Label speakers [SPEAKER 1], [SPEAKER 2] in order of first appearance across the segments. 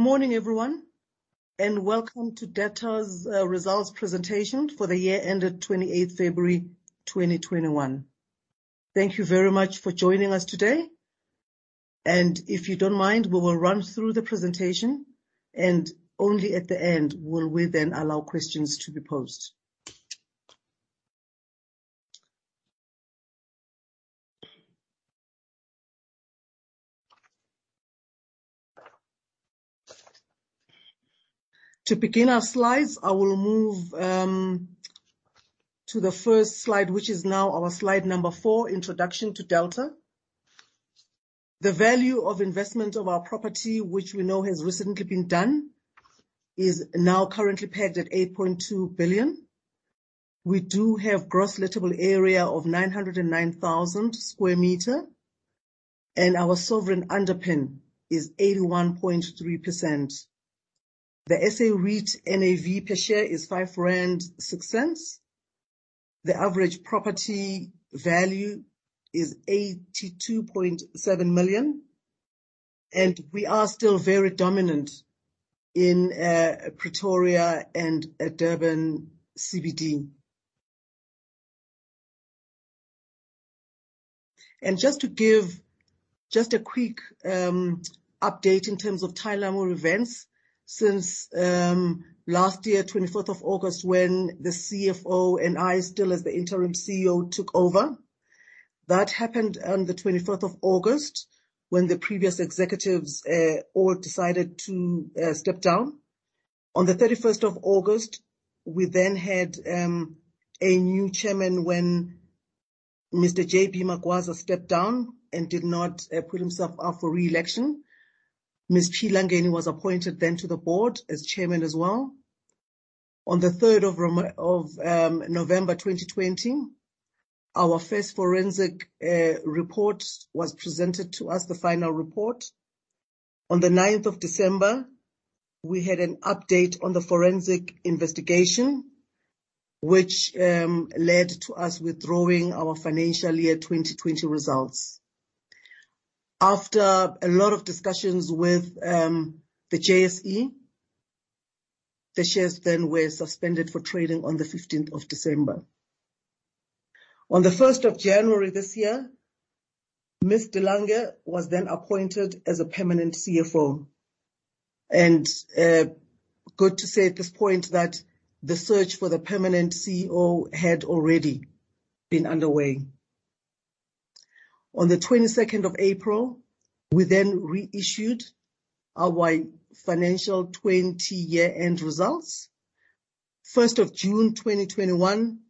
[SPEAKER 1] Good morning, everyone, welcome to Delta's results presentation for the year ended 28th February 2021. Thank you very much for joining us today. If you don't mind, we will run through the presentation, and only at the end will we then allow questions to be posed. To begin our slides, I will move to the first slide, which is now our slide number four, Introduction to Delta. The value of investment of our property, which we know has recently been done, is now currently pegged at 8.2 billion. We do have gross lettable area of 909,000 sq m, and our sovereign underpin is 81.3%. The SA REIT NAV per share is 5.06 rand. The average property value is 82.7 million, and we are still very dominant in Pretoria and Durban CBD. Just to give just a quick update in terms of timeline of events since last year, 24th of August, when the CFO and I still as the interim CEO took over. That happened on the 24th of August when the previous executives all decided to step down. The 31st of August, we had a new Chairman when Mr. JB Magwaza stepped down and did not put himself up for re-election. Ms. Langeni was appointed to the board as Chairman as well. The 3rd of November 2020, our first forensic report was presented to us, the final report. The 9th of December, we had an update on the forensic investigation, which led to us withdrawing our financial year 2020 results. After a lot of discussions with the JSE, the shares were suspended for trading on the 15th of December. On the 1st of January this year, Ms. de Lange was then appointed as a permanent CFO. I got to say at this point that the search for the permanent CEO had already been underway. On the 22nd of April, we then reissued our financial 2020 year-end results. 1st of June 2021,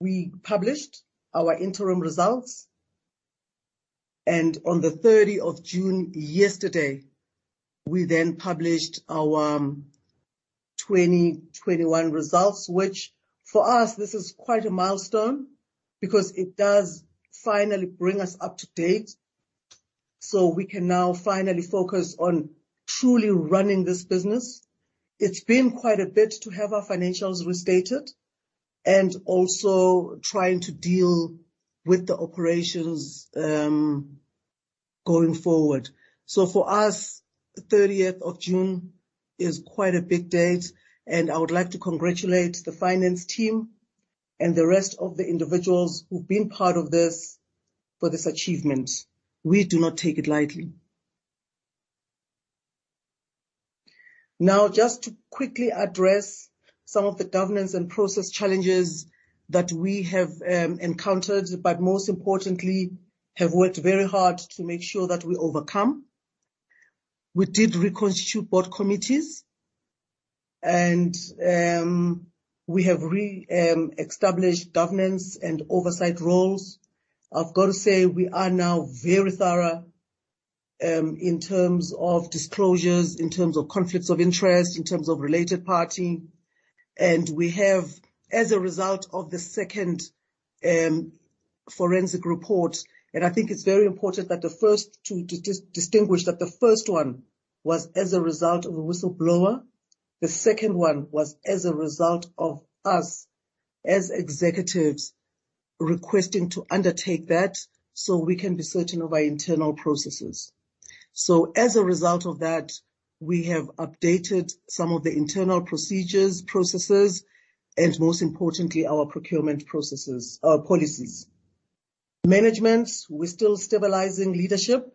[SPEAKER 1] we published our interim results, on the 30th of June, yesterday, we then published our 2021 results, which for us, this is quite a milestone because it does finally bring us up to date, so we can now finally focus on truly running this business. It's been quite a bit to have our financials restated and also trying to deal with the operations going forward. For us, 30th of June is quite a big date, and I would like to congratulate the finance team and the rest of the individuals who've been part of this for this achievement. We do not take it lightly. Just to quickly address some of the governance and process challenges that we have encountered, but most importantly, have worked very hard to make sure that we overcome. We did reconstitute board committees, and we have re-established governance and oversight roles. I've got to say, we are now very thorough in terms of disclosures, in terms of conflicts of interest, in terms of related party. We have, as a result of the second forensic report, and I think it's very important to distinguish that the first one was as a result of a whistleblower. The second one was as a result of us, as executives, requesting to undertake that so we can be certain of our internal processes. As a result of that, we have updated some of the internal procedures, processes, and most importantly, our procurement processes, our policies. Management, we're still stabilizing leadership.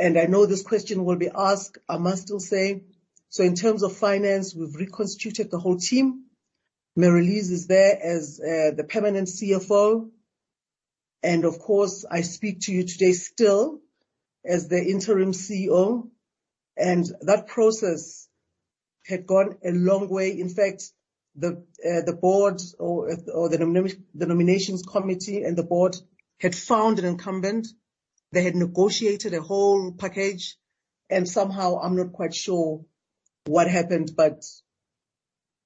[SPEAKER 1] I know this question will be asked, I must still say. In terms of finance, we've reconstituted the whole team. Marelise is there as the permanent CFO. Of course, I speak to you today still as the interim CEO, and that process had gone a long way. In fact, the Nominations Committee and the board had found an incumbent. They had negotiated a whole package, and somehow I'm not quite sure what happened, but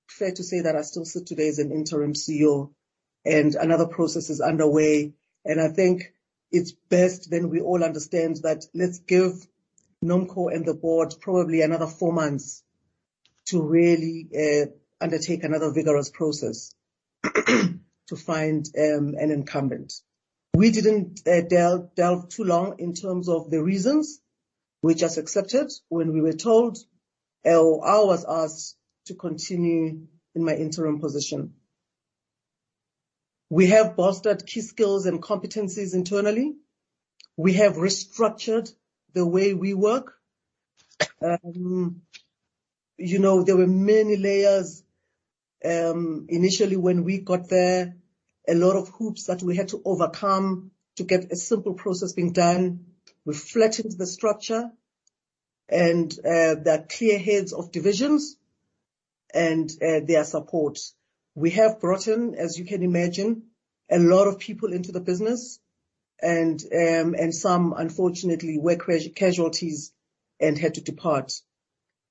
[SPEAKER 1] fair to say that I still sit today as an Interim CEO, and another process is underway. I think it's best then we all understand that let's give NomCo and the board probably another four months to really undertake another vigorous process to find an incumbent. We didn't delve too long in terms of the reasons. We just accepted when we were told. I was asked to continue in my interim position. We have bolstered key skills and competencies internally. We have restructured the way we work. There were many layers initially when we got there, a lot of hoops that we had to overcome to get a simple process being done. We've flattened the structure and there are clear heads of divisions and their support. We have brought in, as you can imagine, a lot of people into the business, and some, unfortunately, were casualties and had to depart.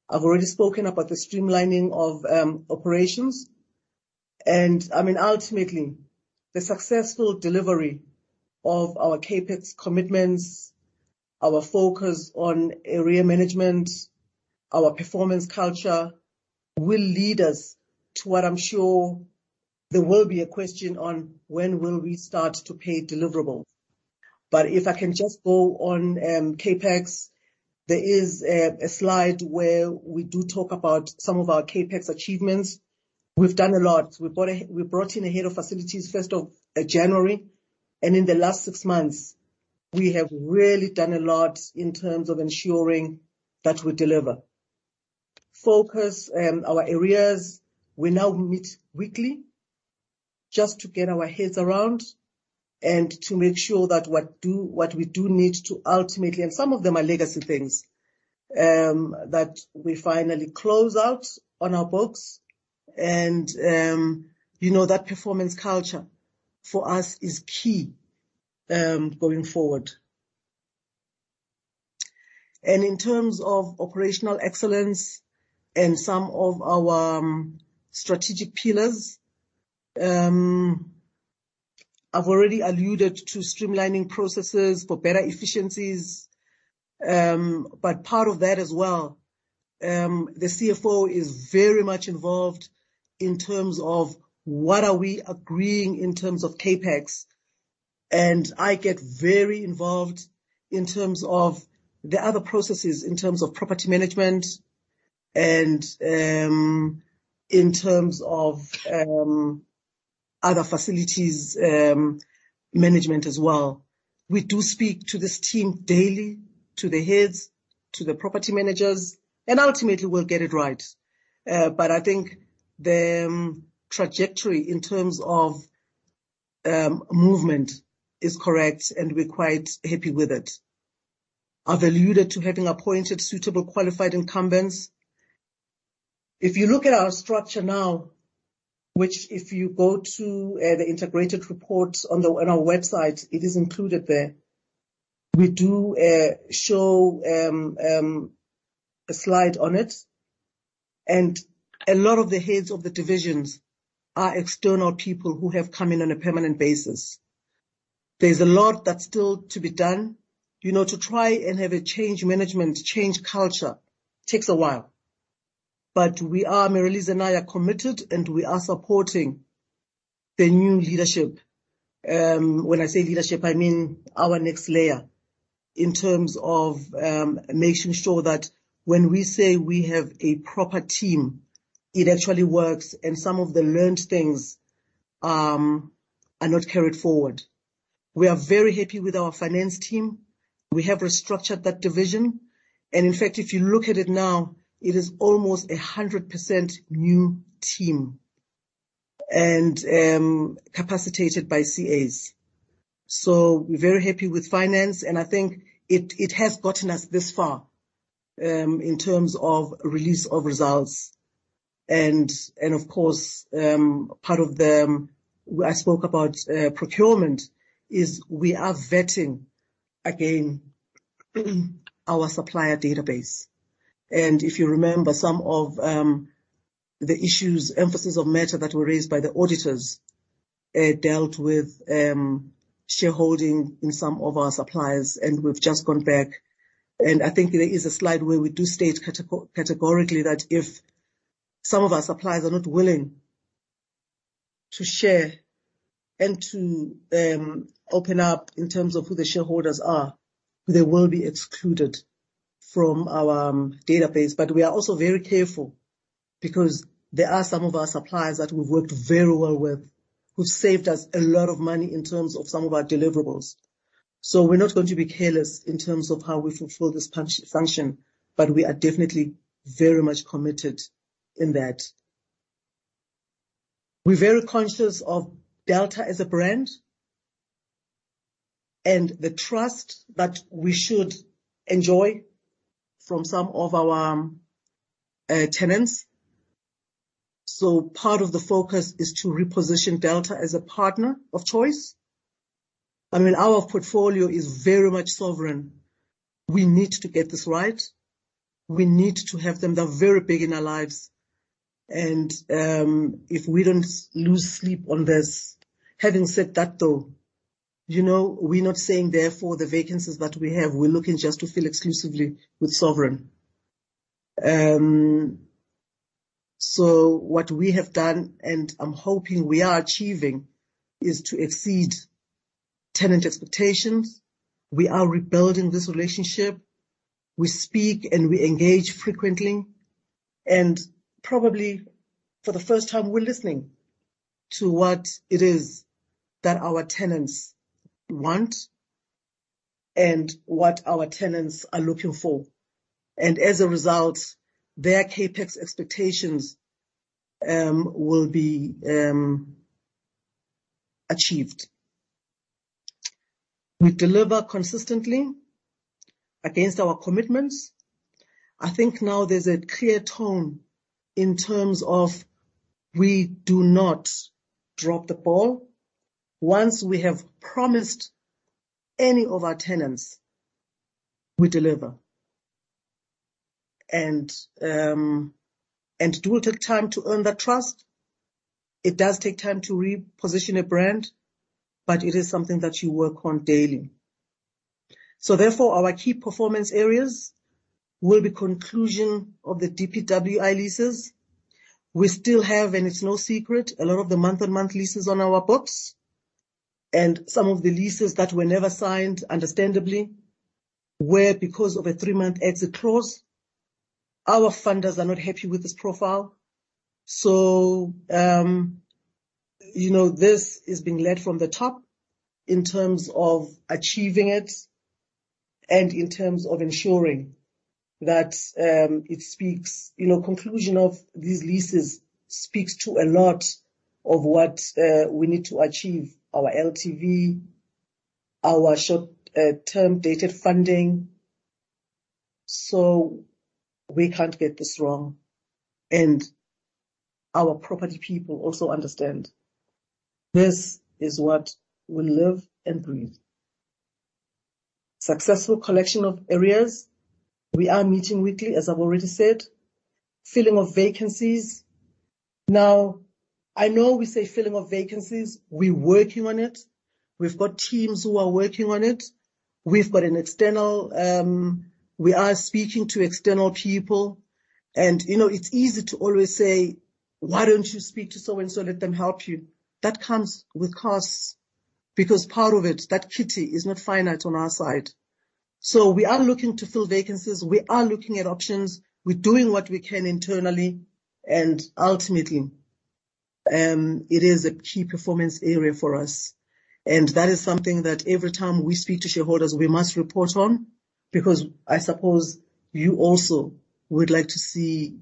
[SPEAKER 1] I've already spoken about the streamlining of operations and ultimately, the successful delivery of our CapEx commitments, our focus on area management, our performance culture will lead us to what I'm sure there will be a question on when will we start to pay deliverables. If I can just go on CapEx, there is a slide where we do talk about some of our CapEx achievements. We've done a lot. We brought in the head of facilities 1st of January, and in the last six months, we have really done a lot in terms of ensuring that we deliver. Focus our areas. We now meet weekly just to get our heads around and to make sure that what we do need to ultimately, and some of them are legacy things, that we finally close out on our books. That performance culture for us is key going forward. In terms of operational excellence and some of our strategic pillars, I've already alluded to streamlining processes for better efficiencies. Part of that as well, the CFO is very much involved in terms of what are we agreeing in terms of CapEx. I get very involved in terms of the other processes, in terms of property management and in terms of other facilities management as well. We do speak to this team daily, to the heads, to the property managers, and ultimately, we'll get it right. I think the trajectory in terms of movement is correct, and we're quite happy with it. I've alluded to having appointed suitable qualified incumbents. If you look at our structure now, which if you go to the integrated reports on our website, it is included there. We do show a slide on it, and a lot of the heads of the divisions are external people who have come in on a permanent basis. There's a lot that's still to be done. To try and have a change management, change culture takes a while. Marelise and I are committed, and we are supporting the new leadership. When I say leadership, I mean our next layer in terms of making sure that when we say we have a proper team, it actually works, and some of the learned things are not carried forward. We are very happy with our finance team, and we have restructured that division. In fact, if you look at it now, it is almost 100% new team and capacitated by CAs. We're very happy with finance, and I think it has gotten us this far in terms of release of results and of course, part of the-- I spoke about procurement, is we are vetting again our supplier database. If you remember, some of the issues, emphasis of matter that were raised by the auditors dealt with shareholding in some of our suppliers, and we've just gone back. I think there is a slide where we do state categorically that if some of our suppliers are not willing to share and to open up in terms of who the shareholders are, they will be excluded from our database. We are also very careful because there are some of our suppliers that we've worked very well with, who saved us a lot of money in terms of some of our deliverables. We're not going to be careless in terms of how we fulfill this function, but we are definitely very much committed in that. We're very conscious of Delta as a brand and the trust that we should enjoy from some of our tenants. Part of the focus is to reposition Delta as a partner of choice. Our portfolio is very much sovereign. We need to get this right. We need to have them. They're very big in our lives, and if we don't lose sleep on this. Having said that, though. We're not saying therefore the vacancies that we have, we're looking just to fill exclusively with Sovereign. What we have done, and I'm hoping we are achieving, is to exceed tenant expectations. We are rebuilding this relationship. We speak and we engage frequently. Probably for the first time, we're listening to what it is that our tenants want and what our tenants are looking for. As a result, their CapEx expectations will be achieved. We deliver consistently against our commitments. I think now there's a clear tone in terms of we do not drop the ball. Once we have promised any of our tenants, we deliver. It will take time to earn that trust. It does take time to reposition a brand, but it is something that you work on daily. Therefore, our key performance areas will be conclusion of the DPW leases. We still have, and it's no secret, a lot of the month-to-month leases on our books and some of the leases that were never signed, understandably, were because of a three-month exit clause. Our funders are not happy with this profile. This is being led from the top in terms of achieving it and in terms of ensuring that the conclusion of these leases speaks to a lot of what we need to achieve, our LTV, our short-term dated funding. We can't get this wrong. Our property people also understand this is what we live and breathe. Successful collection of arrears. We are meeting weekly, as I've already said. Filling of vacancies. I know we say filling of vacancies. We're working on it. We've got teams who are working on it. We are speaking to external people. It's easy to always say: "Why don't you speak to so and so and let them help you?" That comes with cost because part of it, that kitty, is not finite on our side. We are looking to fill vacancies. We are looking at options. We're doing what we can internally, ultimately, it is a key performance area for us. That is something that every time we speak to shareholders, we must report on, because I suppose you also would like to see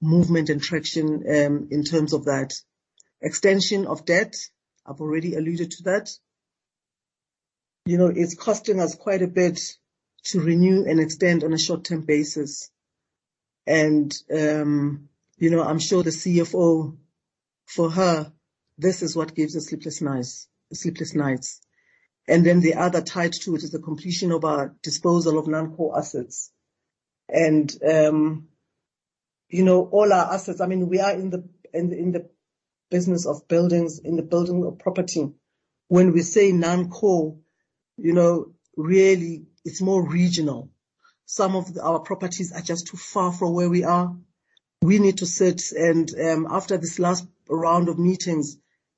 [SPEAKER 1] movement and traction in terms of that. Extension of debt, I've already alluded to that. It's costing us quite a bit to renew and extend on a short-term basis. I'm sure the CFO, for her, this is what gives her sleepless nights. The other tied to it is the completion of our disposal of non-core assets. All our assets, we are in the business of buildings, in the building of property. When we say non-core, really, it's more regional. Some of our properties are just too far from where we are. We need to sit, and after this last round of meetings,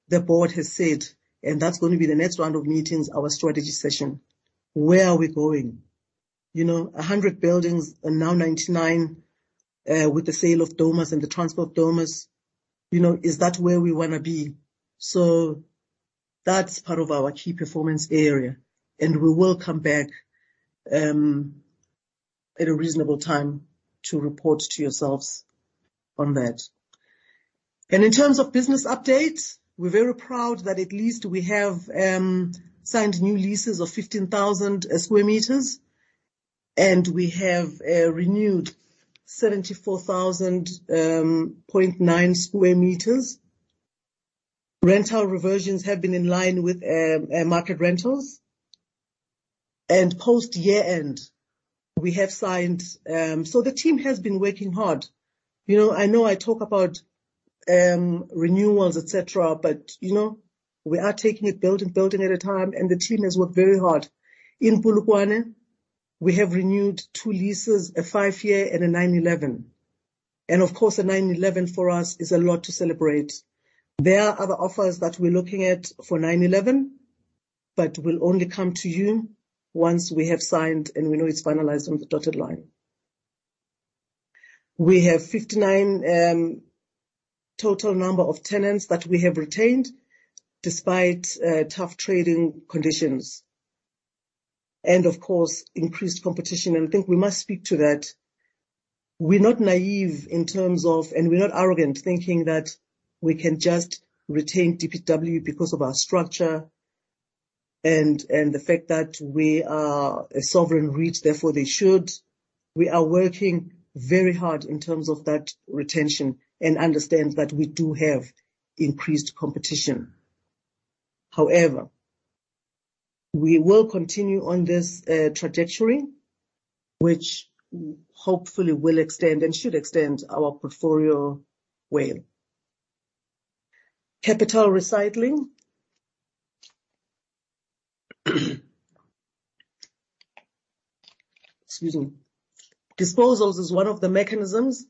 [SPEAKER 1] the board has said, and that's going to be the next round of meetings, our strategy session. Where are we going? 100 buildings and now 99, with the sale of Domus and the Transport Domus, is that where we want to be? That's part of our key performance area, and we will come back at a reasonable time to report to yourselves on that. In terms of business updates, we're very proud that at least we have signed new leases of 15,000 sq m, and we have renewed 74,000.9 sq m. Rental reversions have been in line with market rentals. Post year-end, we have signed. The team has been working hard. I know I talk about renewals, et cetera, but we are taking it building at a time, and the teams work very hard. In Polokwane, we have renewed two leases, a five-year and a 9-11. Of course, a 9-11 for us is a lot to celebrate. There are other offers that we're looking at for 9-1-1, but will only come to you once we have signed and when it's finalized on the dotted line. We have 59 total number of tenants that we have retained despite tough trading conditions and of course, increased competition. I think we must speak to that. We're not naive in terms of, and we're not arrogant thinking that we can just retain DPW because of our structure and the fact that we are a sovereign REIT, therefore they should. We are working very hard in terms of that retention and understand that we do have increased competition. We will continue on this trajectory which hopefully will extend, and should extend our portfolio well. Capital recycling. Excuse me. Disposals is one of the mechanisms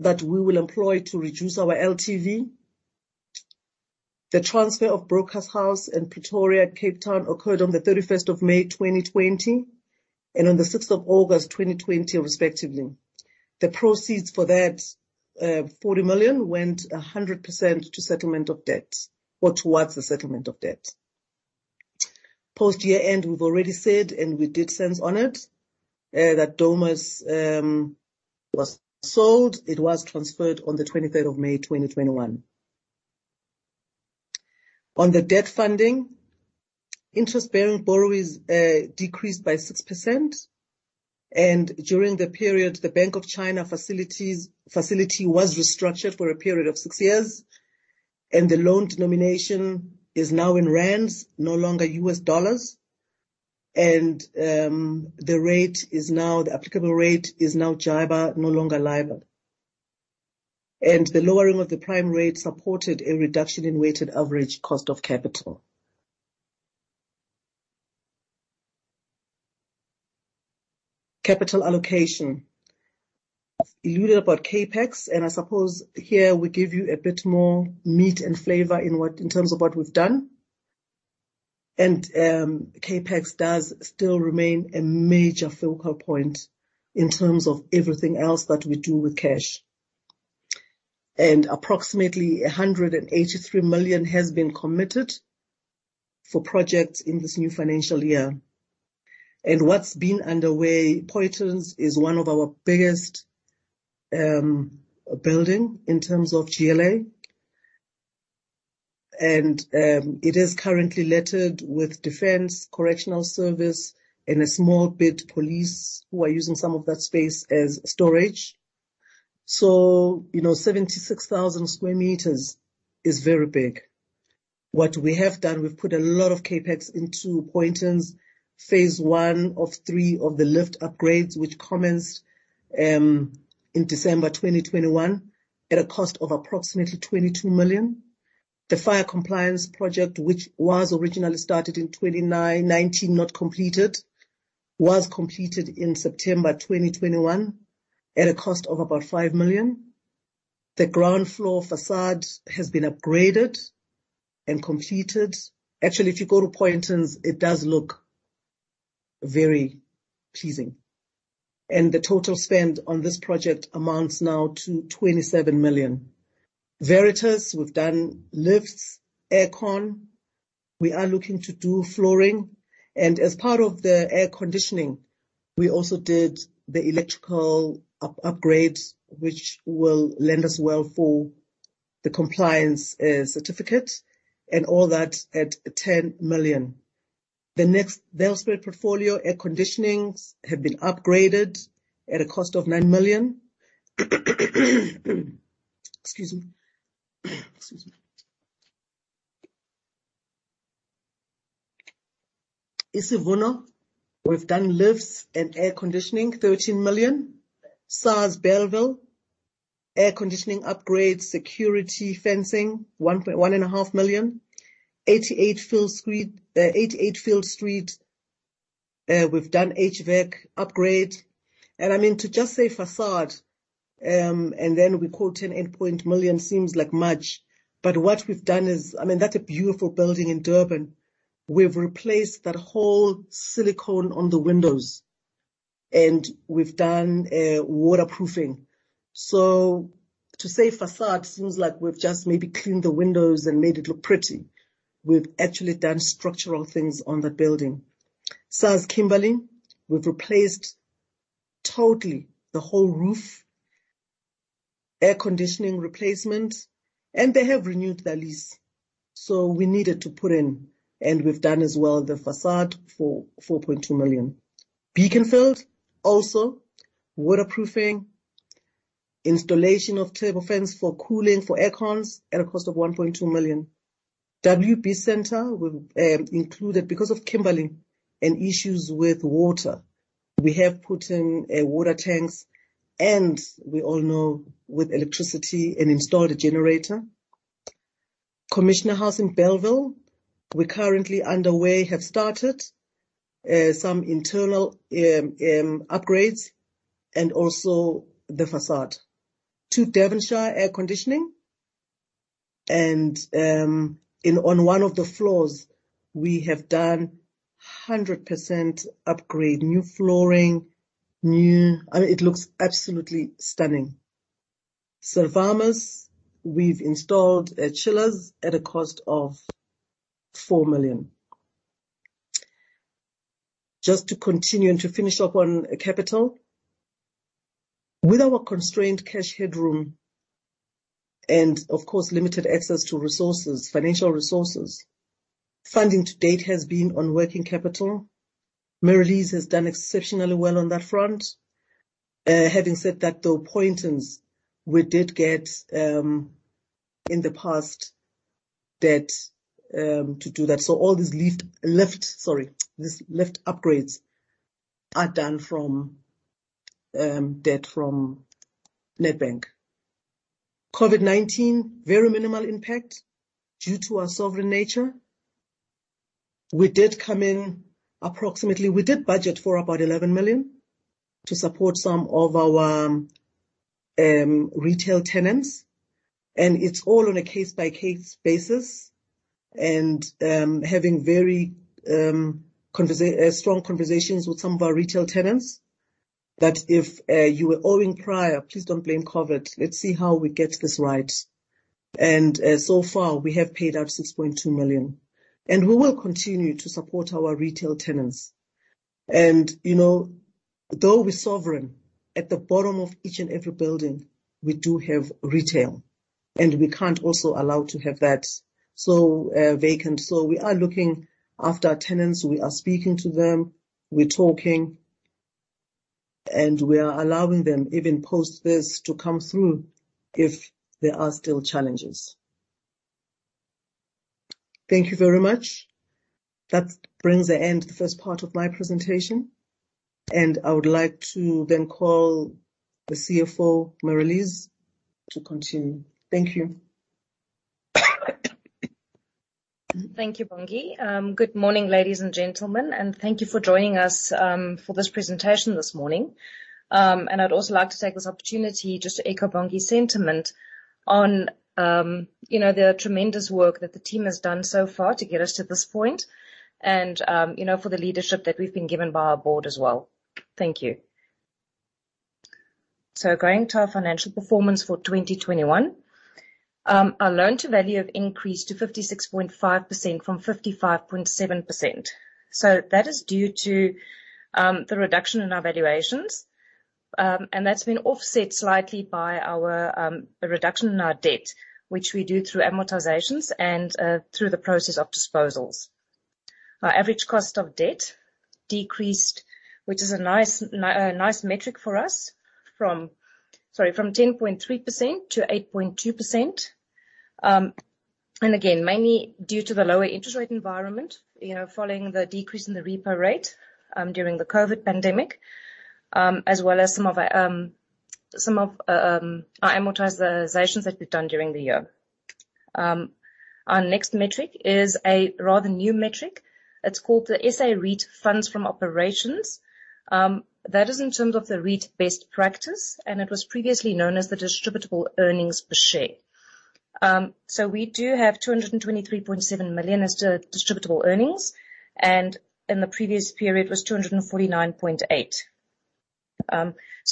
[SPEAKER 1] that we will employ to reduce our LTV. The transfer of Broker House in Pretoria, Cape Town occurred on the 31st of May 2020, and on the 6th of August 2020 respectively. The proceeds for that, 40 million, went 100% to settlement of debt or towards the settlement of debt. Post-year end, we've already said, and we did spend on it, that Domus was sold. It was transferred on the 23rd of May 2021. On the debt funding, interest-bearing borrowings decreased by 6%. During the period, the Bank of China facility was restructured for a period of six years, the loan denomination is now in rands, no longer US dollars. The applicable rate is now JIBAR, no longer LIBOR. The lowering of the prime rate supported a reduction in weighted average cost of capital. Capital allocation. We heard about CapEx, and I suppose here we give you a bit more meat and flavor in terms of what we've done. CapEx does still remain a major focal point in terms of everything else that we do with cash. Approximately 183 million has been committed for projects in this new financial year. What's been underway, Poyntons is one of our biggest building in terms of GLA. It is currently lettered with defense, correctional service, and a small bit police, who are using some of that space as storage. 76,000 sq m is very big. What we have done, we've put a lot of CapEx into Poyntons. Phase I of III of the lift upgrades, which commenced in December 2021 at a cost of approximately 22 million. The fire compliance project, which was originally started in 2019, not completed, was completed in September 2021 at a cost of about 5 million. The ground floor facade has been upgraded and completed. Actually, if you go to Poyntons, it does look very pleasing. The total spend on this project amounts now to 27 million. Veritas, we've done lifts, air con. We are looking to do flooring. As part of the air conditioning, we also did the electrical upgrade, which will lend us well for the compliance certificate and all that at 10 million. The next, Bell Street portfolio air conditionings have been upgraded at a cost of 9 million. Excuse me. Isivuno House, we've done lifts and air conditioning, 13 million. SARS Bellville, air conditioning upgrade, security fencing, 1.5 million. 88 Field Street, we've done HVAC upgrade. To just say facade, then we quote 10.8 million seems like much, but what we've done is, that's a beautiful building in Durban. We've replaced that whole silicone on the windows, and we've done waterproofing. To say facade seems like we've just maybe cleaned the windows and made it look pretty. We've actually done structural things on the building. SARS Kimberley, we've replaced totally the whole roof, air conditioning replacement. They have renewed their lease. We needed to put in, and we've done as well the facade for 4.2 million. Beaconsfield, also waterproofing, installation of turbo fans for cooling for air cons at a cost of 1.2 million. WB Centre, we've included because of Kimberley and issues with water. We have put in water tanks and we all know with electricity and installed a generator. Commissioner House in Bellville, we're currently underway, have started some internal upgrades and also the facade. Two Devonshire air conditioning. On one of the floors, we have done 100% upgrade, new flooring. It looks absolutely stunning. Servamus, we've installed chillers at a cost of 4 million. Just to continue and to finish up on capital. With our constrained cash headroom and of course, limited access to resources, financial resources, funding to date has been on working capital. Marelise has done exceptionally well on that front. Having said that, though, Poyntons, we did get, in the past, debt to do that. All these lift upgrades are done from debt from Nedbank. COVID-19, very minimal impact due to our sovereign nature. We did come in approximately, we did budget for about 11 million to support some of our retail tenants, it's all on a case-by-case basis and having very strong conversations with some of our retail tenants that if you were owing prior, please don't blame COVID. Let's see how we get this right. So far, we have paid out 6.2 million, we will continue to support our retail tenants. Though we're sovereign, at the bottom of each and every building, we do have retail, and we can't also allow to have that so vacant. We are looking after our tenants, we are speaking to them, we're talking, and we are allowing them even post this to come through if there are still challenges. Thank you very much. That brings the end to the first part of my presentation, I would like to then call the CFO, Marelise, to continue. Thank you.
[SPEAKER 2] Thank you, Bongi. Good morning, ladies and gentlemen, thank you for joining us for this presentation this morning. I'd also like to take this opportunity just to echo Bongi's sentiment on the tremendous work that the team has done so far to get us to this point and for the leadership that we've been given by our board as well. Thank you. Going into our financial performance for 2021. Our loan-to-value have increased to 56.5% from 55.7%. That is due to the reduction in our valuations, and that's been offset slightly by our reduction in our debt, which we do through amortizations and through the process of disposals. Our average cost of debt decreased, which is a nice metric for us from 10.3% to 8.2%. Again, mainly due to the lower interest rate environment, following the decrease in the repo rate during the COVID pandemic, as well as some of our amortizations that we've done during the year. Our next metric is a rather new metric. It's called the SA REIT funds from operations. That is in terms of the REIT best practice, and it was previously known as the distributable earnings per share. We do have 223.7 million as distributable earnings, and in the previous period was 249.8 million.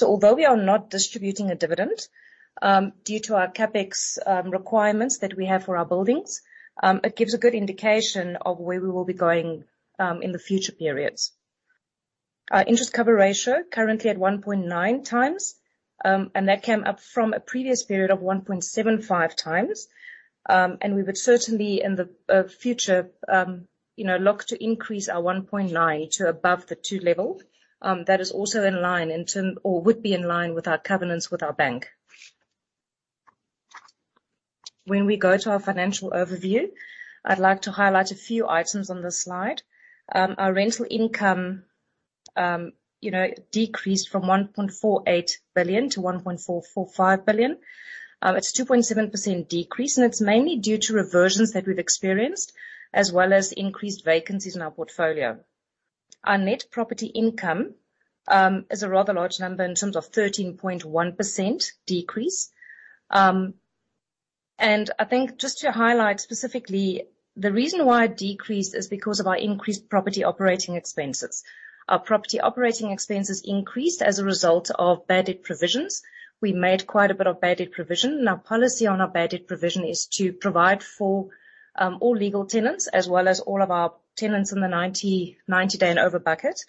[SPEAKER 2] Although we are not distributing a dividend, due to our CapEx requirements that we have for our buildings, it gives a good indication of where we will be going in the future periods. Our interest cover ratio currently at 1.9x, and that came up from a previous period of 1.75x. We would certainly in the future look to increase our 1.9 to above the two level. That is also in line in turn, or would be in line with our covenants with our bank. When we go to our financial overview, I'd like to highlight a few items on the slide. Our rental income decreased from 1.48 billion to 1.445 billion. It's a 2.7% decrease, and it's mainly due to reversions that we've experienced, as well as increased vacancies in our portfolio. Our net property income is a rather large number in terms of 13.1% decrease. I think just to highlight specifically, the reason why it decreased is because of our increased property operating expenses. Our property operating expenses increased as a result of bad debt provisions. We made quite a bit of bad debt provision, and our policy on our bad debt provision is to provide for all legal tenants, as well as all of our tenants in the 90-day and over bucket.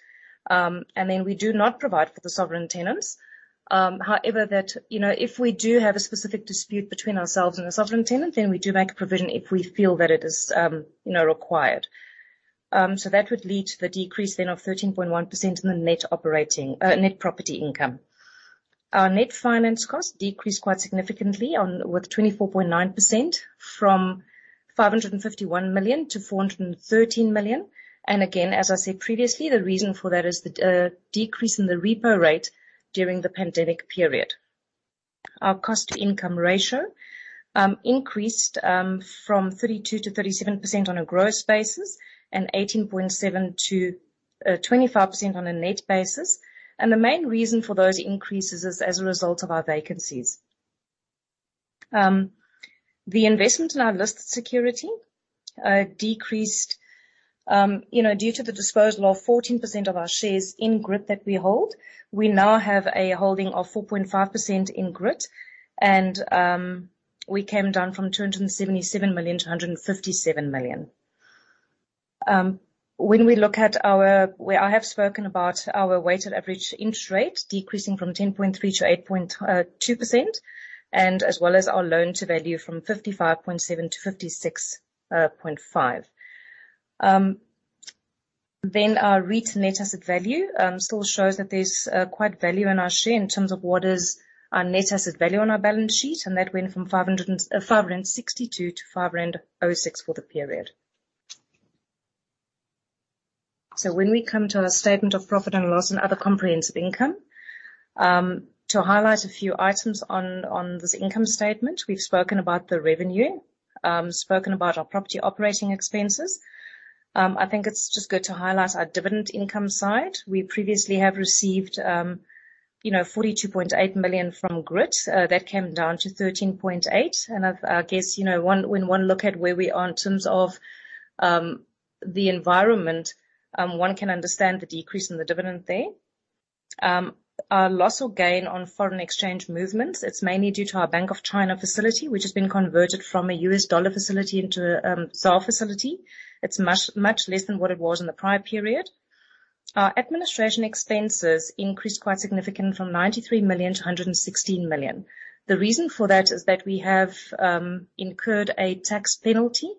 [SPEAKER 2] We do not provide for the sovereign tenants. However, if we do have a specific dispute between ourselves and a sovereign tenant, then we do make a provision if we feel that it is required. That would lead to the decrease then of 13.1% in the Net Property Income. Our net finance cost decreased quite significantly with 24.9%, from 551 million to 413 million. As I said previously, the reason for that is the decrease in the repo rate during the pandemic period. Our cost to income ratio increased from 32% to 37% on a gross basis and 18.7% to 25% on a net basis. The main reason for those increases is as a result of our vacancies. The investment in our listed security decreased due to the disposal of 14% of our shares in GRIT that we hold. We now have a holding of 4.5% in GRIT. We came down from 277 million to 157 million. I have spoken about our weighted average interest rate decreasing from 10.3%-8.2%, as well as our loan-to-value from 55.7%-56.5%. Our REIT net asset value still shows that there's quite value in our share in terms of what is net asset value on our balance sheet. That went from 562 to 506 for the period. When we come to our statement of profit and loss and other comprehensive income, to highlight a few items on this income statement. We've spoken about the revenue, spoken about our property operating expenses. I think it's just good to highlight our dividend income side. We previously have received 42.8 million from Grit, that came down to 13.8 million. I guess, when one look at where we are in terms of the environment, one can understand the decrease in the dividend there. Our loss or gain on foreign exchange movements, it's mainly due to our Bank of China facility, which has been converted from a US dollar facility into a ZAR facility. It's much less than what it was in the prior period. Our administration expenses increased quite significantly from 93 million to 116 million. The reason for that is that we have incurred a tax penalty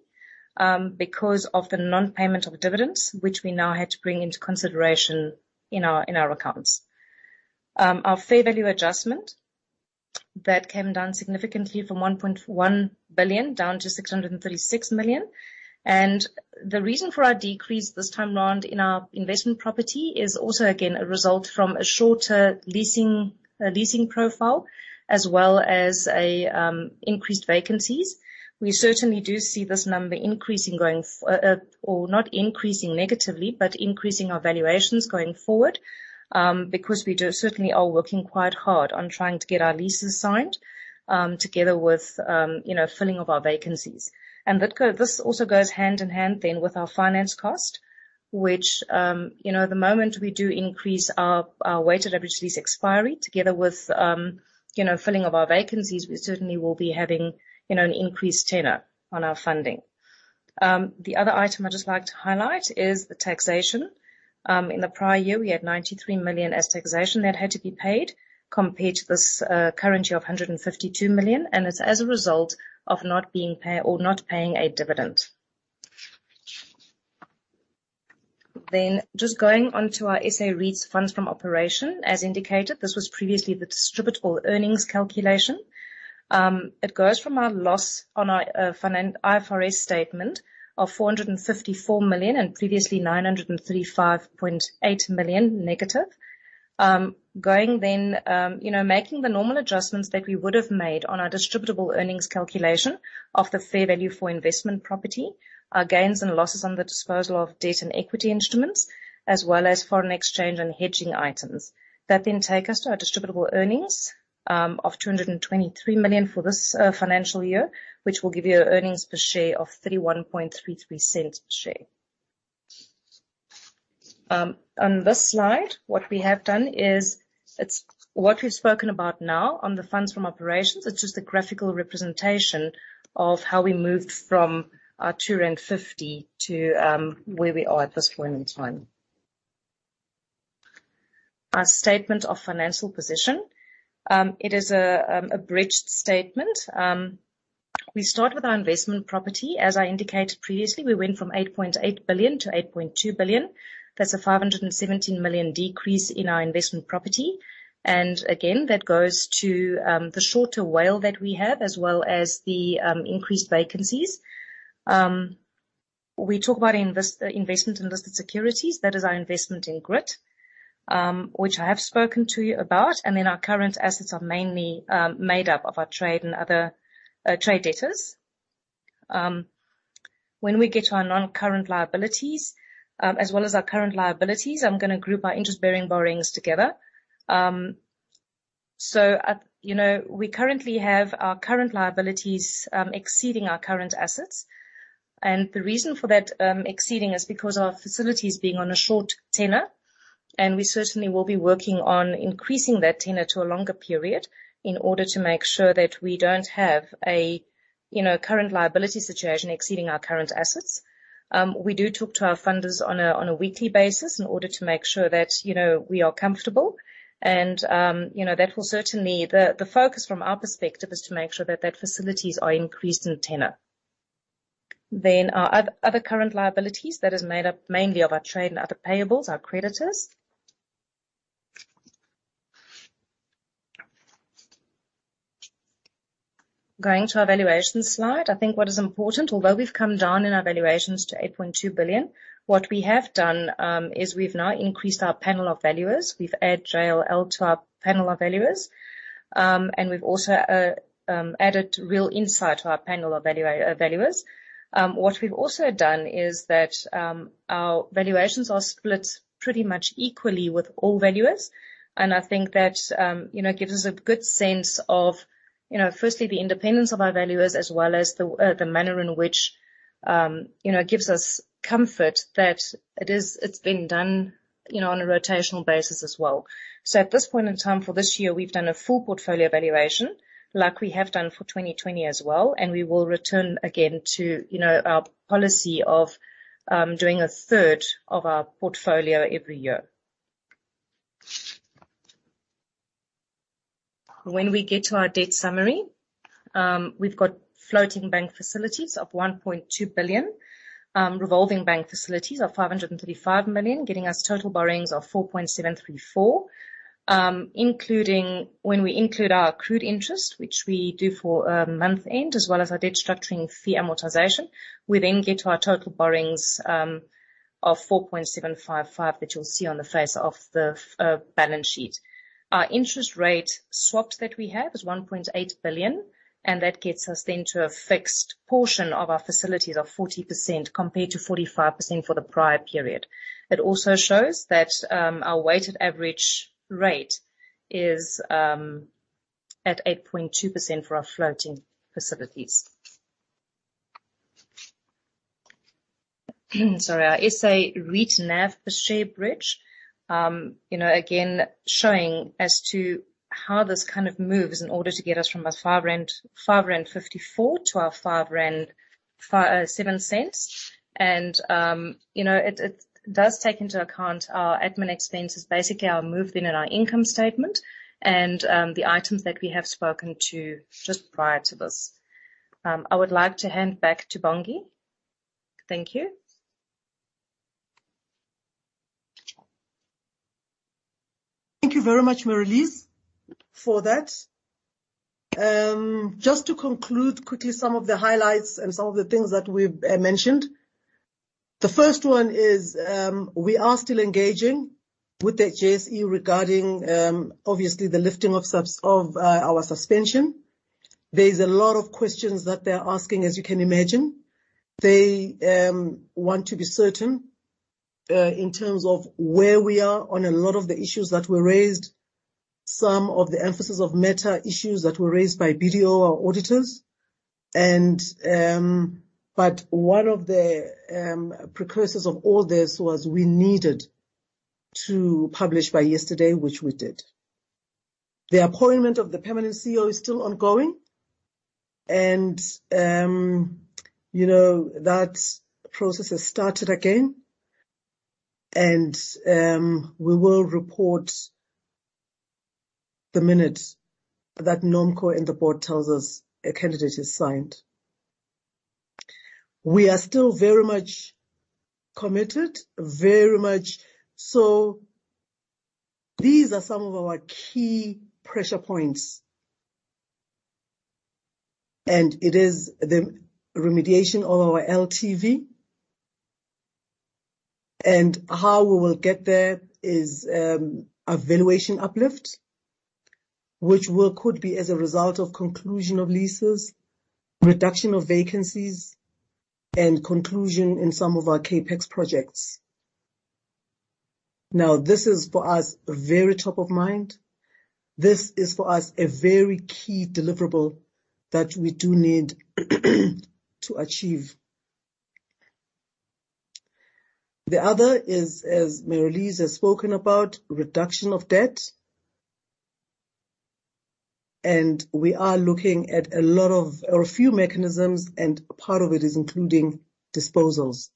[SPEAKER 2] because of the non-payment of dividends, which we now had to bring into consideration in our accounts. Our fair value adjustment, that came down significantly from 1.1 billion down to 636 million. The reason for our decrease this time around in our investment property is also again, a result from a shorter leasing profile as well as increased vacancies. We certainly do see this number increasing, or not increasing negatively, but increasing our valuations going forward, because we certainly are working quite hard on trying to get our leases signed, together with filling up our vacancies. This also goes hand in hand then with our finance cost, which, the moment we do increase our weighted averages expiry together with filling up our vacancies, we certainly will be having an increased tenor on our funding. The other item I'd just like to highlight is the taxation. In the prior year, we had 93 million as taxation that had to be paid compared to this currently 152 million. It's as a result of not paying a dividend. Just going on to our SA REIT funds from operations. As indicated, this was previously the distributable earnings calculation. It goes from our loss on our IFRS statement of 454 million, previously 935.8 million negative. Making the normal adjustments that we would have made on our distributable earnings calculation of the fair value for investment property, our gains and losses on the disposal of debt and equity instruments, as well as foreign exchange and hedging items. That take us to our distributable earnings of 223 million for this financial year, which will give you an earnings per share of 0.3133 per share. On this slide, what we have done is, it's what we've spoken about now on the funds from operations. It's just a graphical representation of how we moved from our 250 rand to where we are at this point in time. Our statement of financial position. It is an abridged statement. We start with our investment property. As I indicated previously, we went from 8.8 billion to 8.2 billion. That's a 517 million decrease in our investment property. Again, that goes to the shorter WALE that we have as well as the increased vacancies. We talk about investment in listed securities. That is our investment in Grit, which I have spoken to you about. Then our current assets are mainly made up of our trade debtors. When we get to our non-current liabilities, as well as our current liabilities, I'm going to group our interest-bearing borrowings together. We currently have our current liabilities exceeding our current assets. The reason for that exceeding is because our facilities being on a short tenor, and we certainly will be working on increasing that tenor to a longer period in order to make sure that we don't have a current liability situation exceeding our current assets. We do talk to our funders on a weekly basis in order to make sure that we are comfortable and the focus from our perspective is to make sure that their facilities are increased in tenor. Our other current liabilities, that is made up mainly of our trade and other payables, our creditors. Going to our valuation slide. I think what is important, although we've come down in our valuations to 8.2 billion, what we have done is we've now increased our panel of valuers. We've added JLL to our panel of valuers, and we've also added Real Insight to our panel of valuers. What we've also done is that our valuations are split pretty much equally with all valuers, and I think that gives us a good sense of, firstly, the independence of our valuers as well as the manner in which gives us comfort that it's being done on a rotational basis as well. At this point in time for this year, we've done a full portfolio valuation like we have done for 2020 as well, and we will return again to our policy of doing a third of our portfolio every year. When we get to our debt summary, we've got floating bank facilities of 1.2 billion, revolving bank facilities of 535 million, giving us total borrowings of 4.734. We include our accrued interest, which we do for month end, as well as our debt structuring fee amortization, we then get to our total borrowings of 4.755 billion, that you'll see on the face of the balance sheet. Our interest rate swaps that we have is 1.8 billion, that gets us then to a fixed portion of our facilities of 40%, compared to 45% for the prior period. It also shows that our weighted average rate is at 8.2% for our floating facilities. Our SA REIT NAV per share bridge, again, showing as to how this kind of moves in order to get us from our R5.54 to our R5.07. It does take into account our admin expenses, basically our move in our income statement and the items that we have spoken to just prior to this. I would like to hand back to Bongi. Thank you.
[SPEAKER 1] Thank you very much, Marelise, for that. Just to conclude quickly some of the highlights and some of the things that we've mentioned. The first one is, we are still engaging with the JSE regarding, obviously, the lifting of our suspension. There's a lot of questions that they're asking, as you can imagine. They want to be certain in terms of where we are on a lot of the issues that were raised, some of the emphasis of matter issues that were raised by BDO, our auditors. One of the precursors of all this was we needed to publish by yesterday, which we did. The appointment of the permanent CEO is still ongoing, and that process has started again, and we will report the minute that NomCo and the board tells us a candidate is signed. We are still very much committed. These are some of our key pressure points, and it is the remediation on our LTV. How we will get there is a valuation uplift, which could be as a result of conclusion of leases, reduction of vacancies, and conclusion in some of our CapEx projects. This is, for us, very top of mind. This is, for us, a very key deliverable that we do need to achieve. The other is, as Marelise has spoken about, reduction of debt, and we are looking at a few mechanisms, and part of it is including disposals,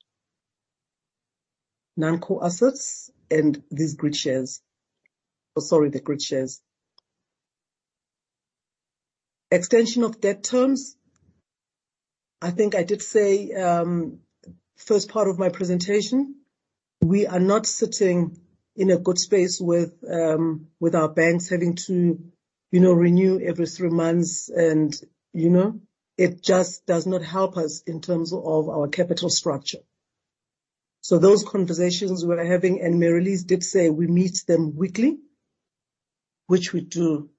[SPEAKER 1] non-core assets, and these Grit shares. Sorry, the Grit shares. Extension of debt terms. I think I did say, first part of my presentation, we are not sitting in a good space with our banks having to renew every three months, it just does not help us in terms of our capital structure. Those conversations we're having, and Marelise did say we meet them weekly, which we do.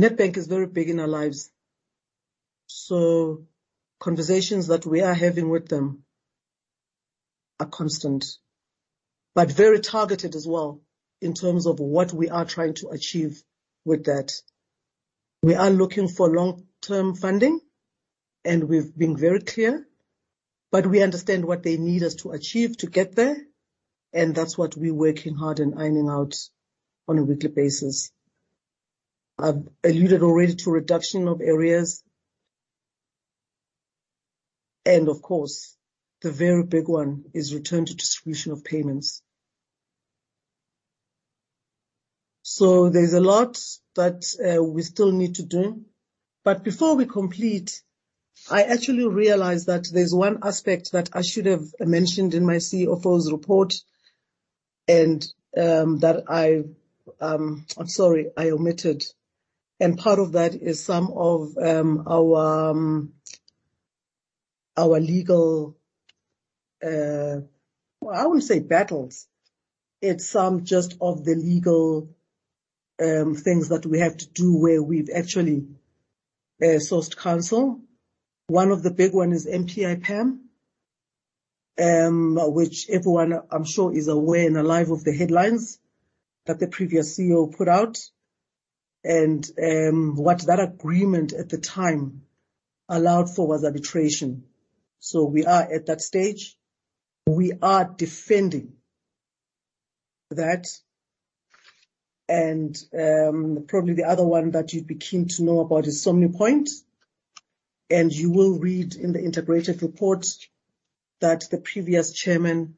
[SPEAKER 1] Nedbank is very big in our lives, conversations that we are having with them are constant, but very targeted as well in terms of what we are trying to achieve with that. We are looking for long-term funding, we've been very clear, we understand what they need us to achieve to get there, that's what we're working hard and ironing out on a weekly basis. I've alluded already to reduction of arrears. Of course, the very big one is return to distribution of payments. There's a lot that we still need to do. Before we complete, I actually realized that there's one aspect that I should have mentioned in my CFO's report, and that I omitted. Part of that is some of our legal, I wouldn't say battles. It's some just of the legal things that we had to do where we've actually sourced counsel. One of the big one is NPI PAM, which everyone, I'm sure, is aware and alive of the headlines that the previous CEO put out, and what that agreement at the time allowed for was arbitration. We are at that stage. We are defending that. Probably the other one that you'd be keen to know about is Somnipoint. You will read in the integrated report that the previous Chairman,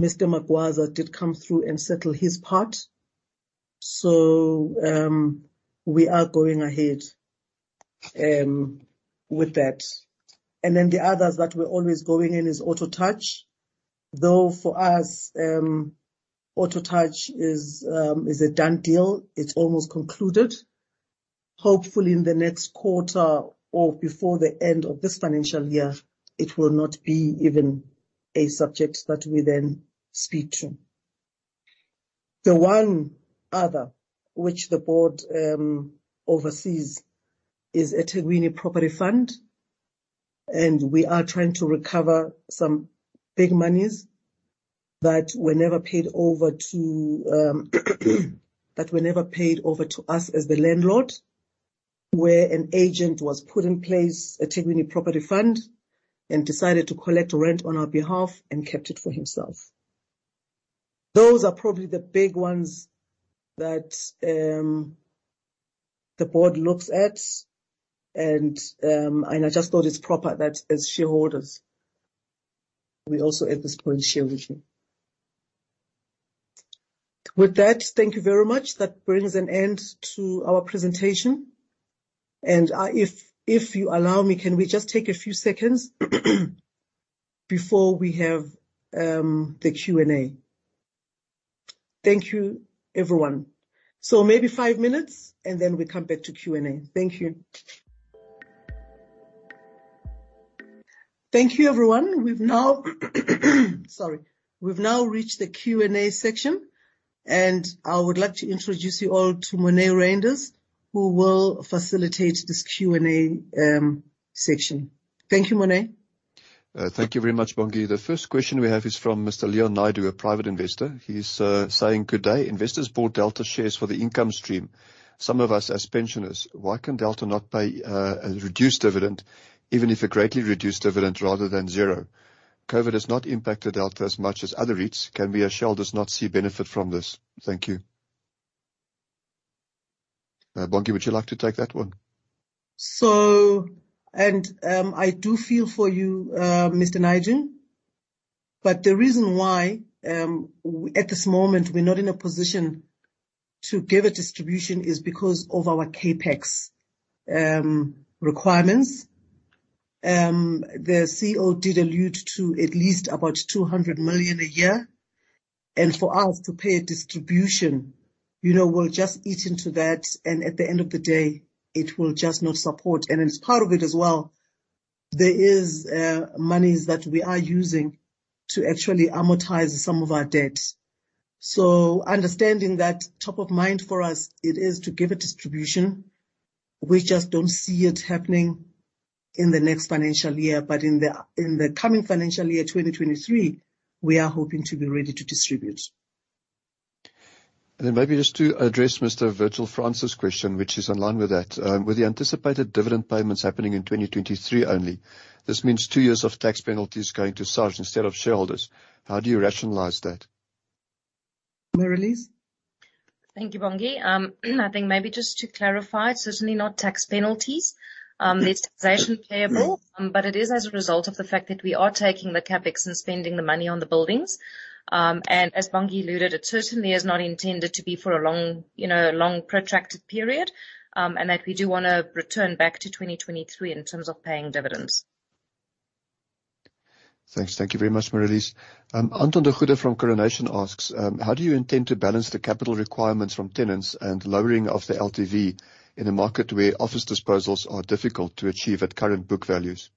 [SPEAKER 1] Mr. Makwana, did come through and settle his part. We are going ahead with that. The others that we're always going in is Orthotouch. For us, Orthotouch is a done deal. It's almost concluded. Hopefully, in the next quarter or before the end of this financial year, it will not be even a subject that we speak to. The one other which the board oversees is Ethekwini Property Fund, and we are trying to recover some big monies that were never paid over to us as the landlord, where an agent was put in place, Ethekwini Property Fund, and decided to collect rent on our behalf and kept it for himself. Those are probably the big ones that the board looks at. I just thought it's proper that, as shareholders, we also at this point share with you. With that, thank you very much. That brings an end to our presentation. If you allow me, can we just take a few seconds before we have the Q&A? Thank you, everyone. Maybe five minutes, and then we come back to Q&A. Thank you. Thank you, everyone. We've now reached the Q&A section, and I would like to introduce you all to Morne Reinders, who will facilitate this Q&A section. Thank you, Morne.
[SPEAKER 3] Thank you very much, Bongi. The first question we have is from Mr. Leon Naidoo, a Private Investor. He's saying, "Good day. Investors bought Delta shares for the income stream. Some of us are pensioners. Why can Delta not pay a reduced dividend, even if a greatly reduced dividend rather than zero? COVID has not impacted Delta as much as other REITs. Can we assume shareholders not see benefit from this? Thank you." Bongi, would you like to take that one?
[SPEAKER 1] I do feel for you, Mr. Naidoo. The reason why, at this moment, we're not in a position to give a distribution is because of our CapEx requirements. The CEO did allude to at least about 200 million a year. For us to pay a distribution, we'll just eat into that, and at the end of the day, it will just not support. As part of it as well, there is monies that we are using to actually amortize some of our debt. Understanding that top of mind for us, it is to give a distribution. We just don't see it happening in the next financial year. In the coming financial year, 2023, we are hoping to be ready to distribute.
[SPEAKER 3] Maybe just to address Mr. Virgil Francis' question, which is in line with that. "With the anticipated dividend payments happening in 2023 only, this means two years of tax penalties going to SARS instead of shareholders. How do you rationalize that?
[SPEAKER 1] Marelise?
[SPEAKER 2] Thank you, Bongi. I think maybe just to clarify, it's certainly not tax penalties. It's payable, but it is as a result of the fact that we are taking the CapEx and spending the Morne on the buildings. As Bongi alluded, it certainly is not intended to be for a long, protracted period. That we do want to return back to 2023 in terms of paying dividends.
[SPEAKER 3] Thanks. Thank you very much, Marelise. Anton Dekker from Coronation asks, "How do you intend to balance the capital requirements from tenants and lowering of the LTV in a market where office disposals are difficult to achieve at current book values?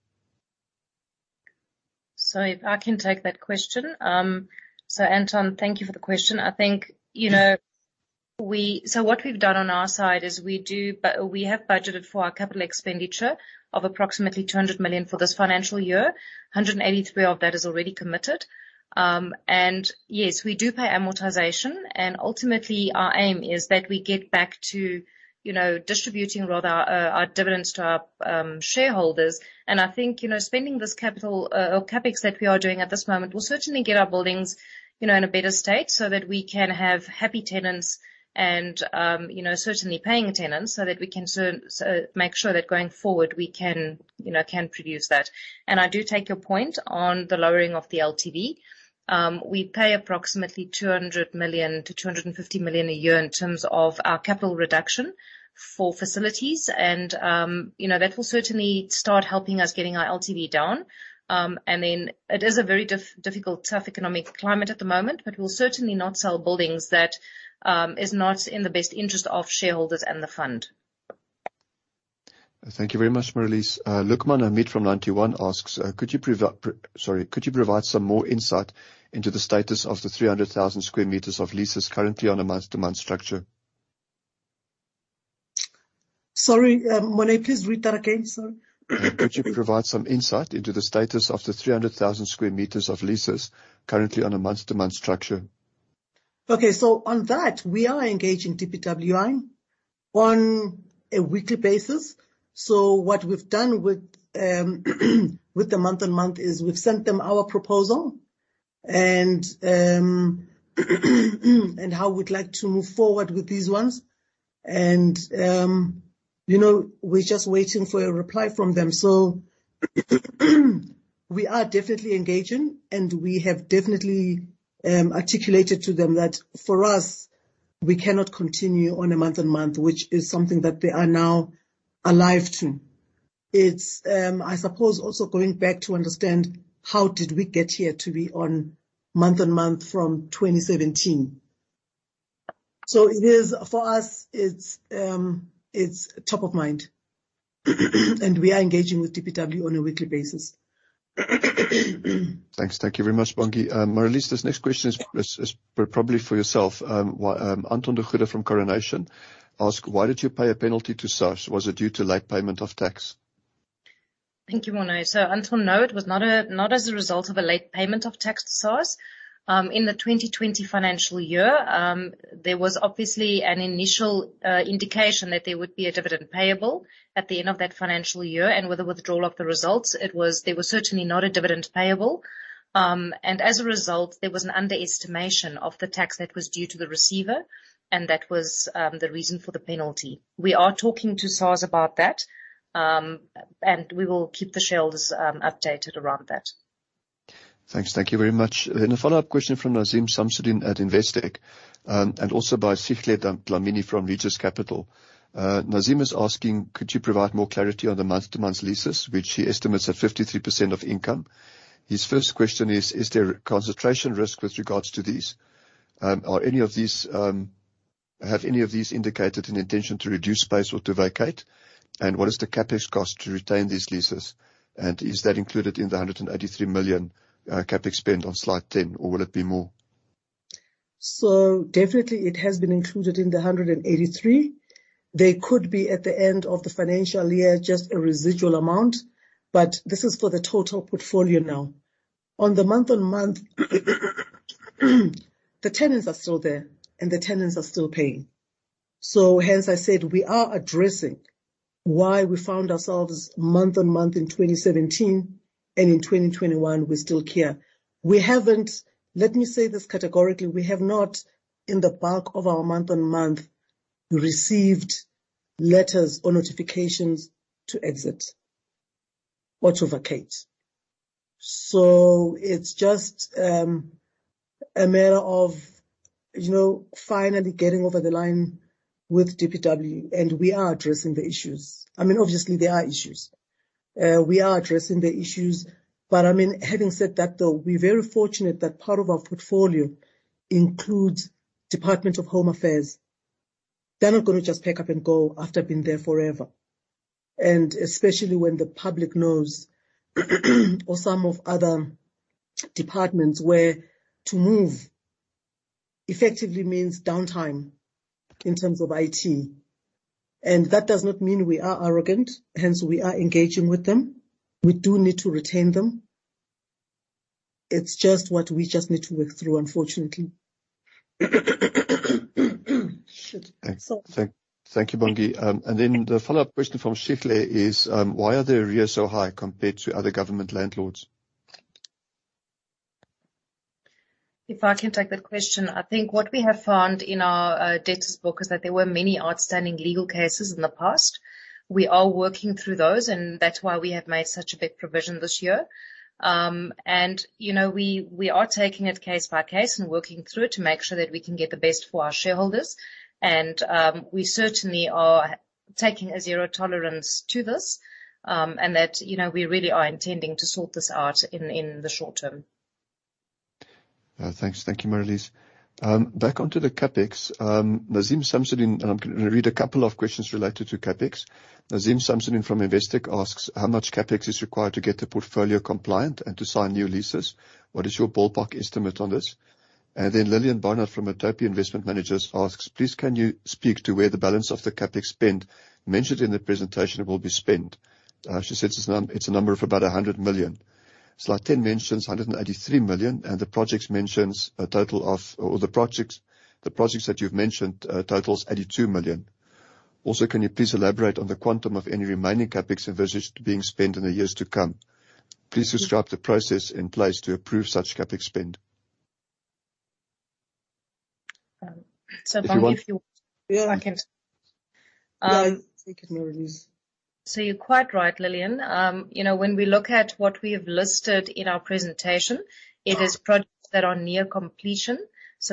[SPEAKER 2] I can take that question. Anton, thank you for the question. I think what we've done on our side is we have budgeted for our capital expenditure of approximately 200 million for this financial year, 183 of that is already committed. Yes, we do pay amortization, and ultimately our aim is that we get back to distributing a lot our dividends to our shareholders. I think, spending this capital or CapEx that we are doing at this moment will certainly get our buildings in a better state so that we can have happy tenants and certainly paying tenants so that we can make sure that going forward we can produce that. I do take your point on the lowering of the LTV. We pay approximately 200 million-250 million a year in terms of our capital reduction for facilities, and that will certainly start helping us getting our LTV down. It is a very difficult, tough economic climate at the moment, but we'll certainly not sell buildings that is not in the best interest of shareholders and the fund.
[SPEAKER 3] Thank you very much, Marelise. Luqman Hamid from Ninety One asks, "Could you provide some more insight into the status of the 300,000 sq m of leases currently on a month-to-month structure?
[SPEAKER 1] Sorry. Morne, please read that again, sorry.
[SPEAKER 3] Could you provide some insight into the status of the 300,000 sq m of leases currently on a month-to-month structure?
[SPEAKER 1] Okay. On that, we are engaged in DPWI on a weekly basis. What we've done with the month-to-month is we've sent them our proposal and how we'd like to move forward with these ones. We're just waiting for a reply from them. We are definitely engaging, and we have definitely articulated to them that for us, we cannot continue on a month-on-month, which is something that they are now alive to. It's, I suppose, also going back to understand how did we get here to be on month-on-month from 2017. For us, it's top of mind, and we are engaging with DPW on a weekly basis.
[SPEAKER 3] Thanks. Thank you very much, Bongi. Marelise, this next question is probably for yourself. Anton Dekker from Coronation asked, "Why did you pay a penalty to SARS? Was it due to late payment of tax?
[SPEAKER 2] Thank you, Morne. Anton, no, it was not as a result of a late payment of tax to SARS. In the 2020 financial year, there was obviously an initial indication that there would be a dividend payable at the end of that financial year. With the withdrawal of the results, there was certainly not a dividend payable. As a result, there was an underestimation of the tax that was due to the receiver, and that was the reason for the penalty. We are talking to SARS about that, and we will keep the shareholders updated around that.
[SPEAKER 3] Thanks. Thank you very much. A follow-up question from Naeem Samsodien at Investec, and also by Sihle Dlamini from Laurium Capital. Nazim is asking, could you provide more clarity on the month-to-month leases, which he estimates are 53% of income? His first question is there a concentration risk with regards to these? Have any of these indicated an intention to reduce space or to vacate? What is the CapEx cost to retain these leases? Is that included in the 183 million CapEx spend on slide 10, or will it be more?
[SPEAKER 1] Definitely it has been included in the 183. They could be, at the end of the financial year, just a residual amount, but this is for the total portfolio now. On the month-on-month, the tenants are still there, and the tenants are still paying. Hence I said, we are addressing why we found ourselves month-on-month in 2017, and in 2021, we're still here. Let me say this categorically. We have not, in the back of our month-on-month, received letters or notifications to exit or to vacate. It's just a matter of finally getting over the line with DPW, and we are addressing the issues. Obviously, there are issues. We are addressing the issues, but having said that, though, we're very fortunate that part of our portfolio includes Department of Home Affairs. They're not going to just pack up and go after being there forever. Especially when the public knows, or some of other departments where to move effectively means downtime in terms of IT. That does not mean we are arrogant, hence we are engaging with them. We do need to retain them. It's just what we just need to work through, unfortunately.
[SPEAKER 3] Thank you, Bongi. The follow-up question from Sihle is, why are their rates so high compared to other government landlords?
[SPEAKER 2] If I can take that question. I think what we have found in our debtors book is that there were many outstanding legal cases in the past. We are working through those, and that's why we have made such a big provision this year. We are taking it case by case and working through it to make sure that we can get the best for our shareholders. We certainly are taking a zero tolerance to this, and that we really are intending to sort this out in the short term.
[SPEAKER 3] Thanks. Thank you, Marelise. Back onto the CapEx. Nazim Samsudeen. I'm going to read a couple of questions related to CapEx. Nazim Samsudeen from Investec asks, "How much CapEx is required to get the portfolio compliant and to sign new leases? What is your ballpark estimate on this?" Liliane Barnard from Metope Investment Managers asks, "Please, can you speak to where the balance of the CapEx spend mentioned in the presentation will be spent?" She says it's a number of about 100 million. Slide 10 mentions 183 million, and the projects that you've mentioned totals 82 million. Also, can you please elaborate on the quantum of any remaining CapEx envisaged being spent in the years to come? Please describe the process in place to approve such CapEx spend.
[SPEAKER 2] If you want.
[SPEAKER 1] Yeah.
[SPEAKER 2] I can.
[SPEAKER 1] Yeah. You can, Marelise.
[SPEAKER 2] You're quite right, Lillian. When we look at what we have listed in our presentation, it is projects that are near completion.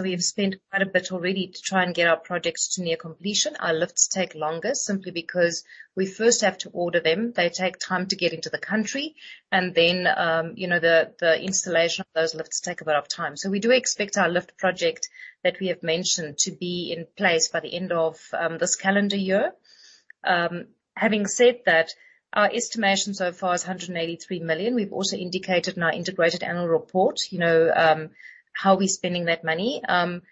[SPEAKER 2] We have spent quite a bit already to try and get our projects to near completion. Our lifts take longer simply because we first have to order them. They take time to get into the country, and then the installation of those lifts take a bit of time. We do expect our lift project that we have mentioned to be in place by the end of this calendar year. Having said that, our estimation so far is 183 million. We've also indicated in our integrated annual report how we're spending that Morne.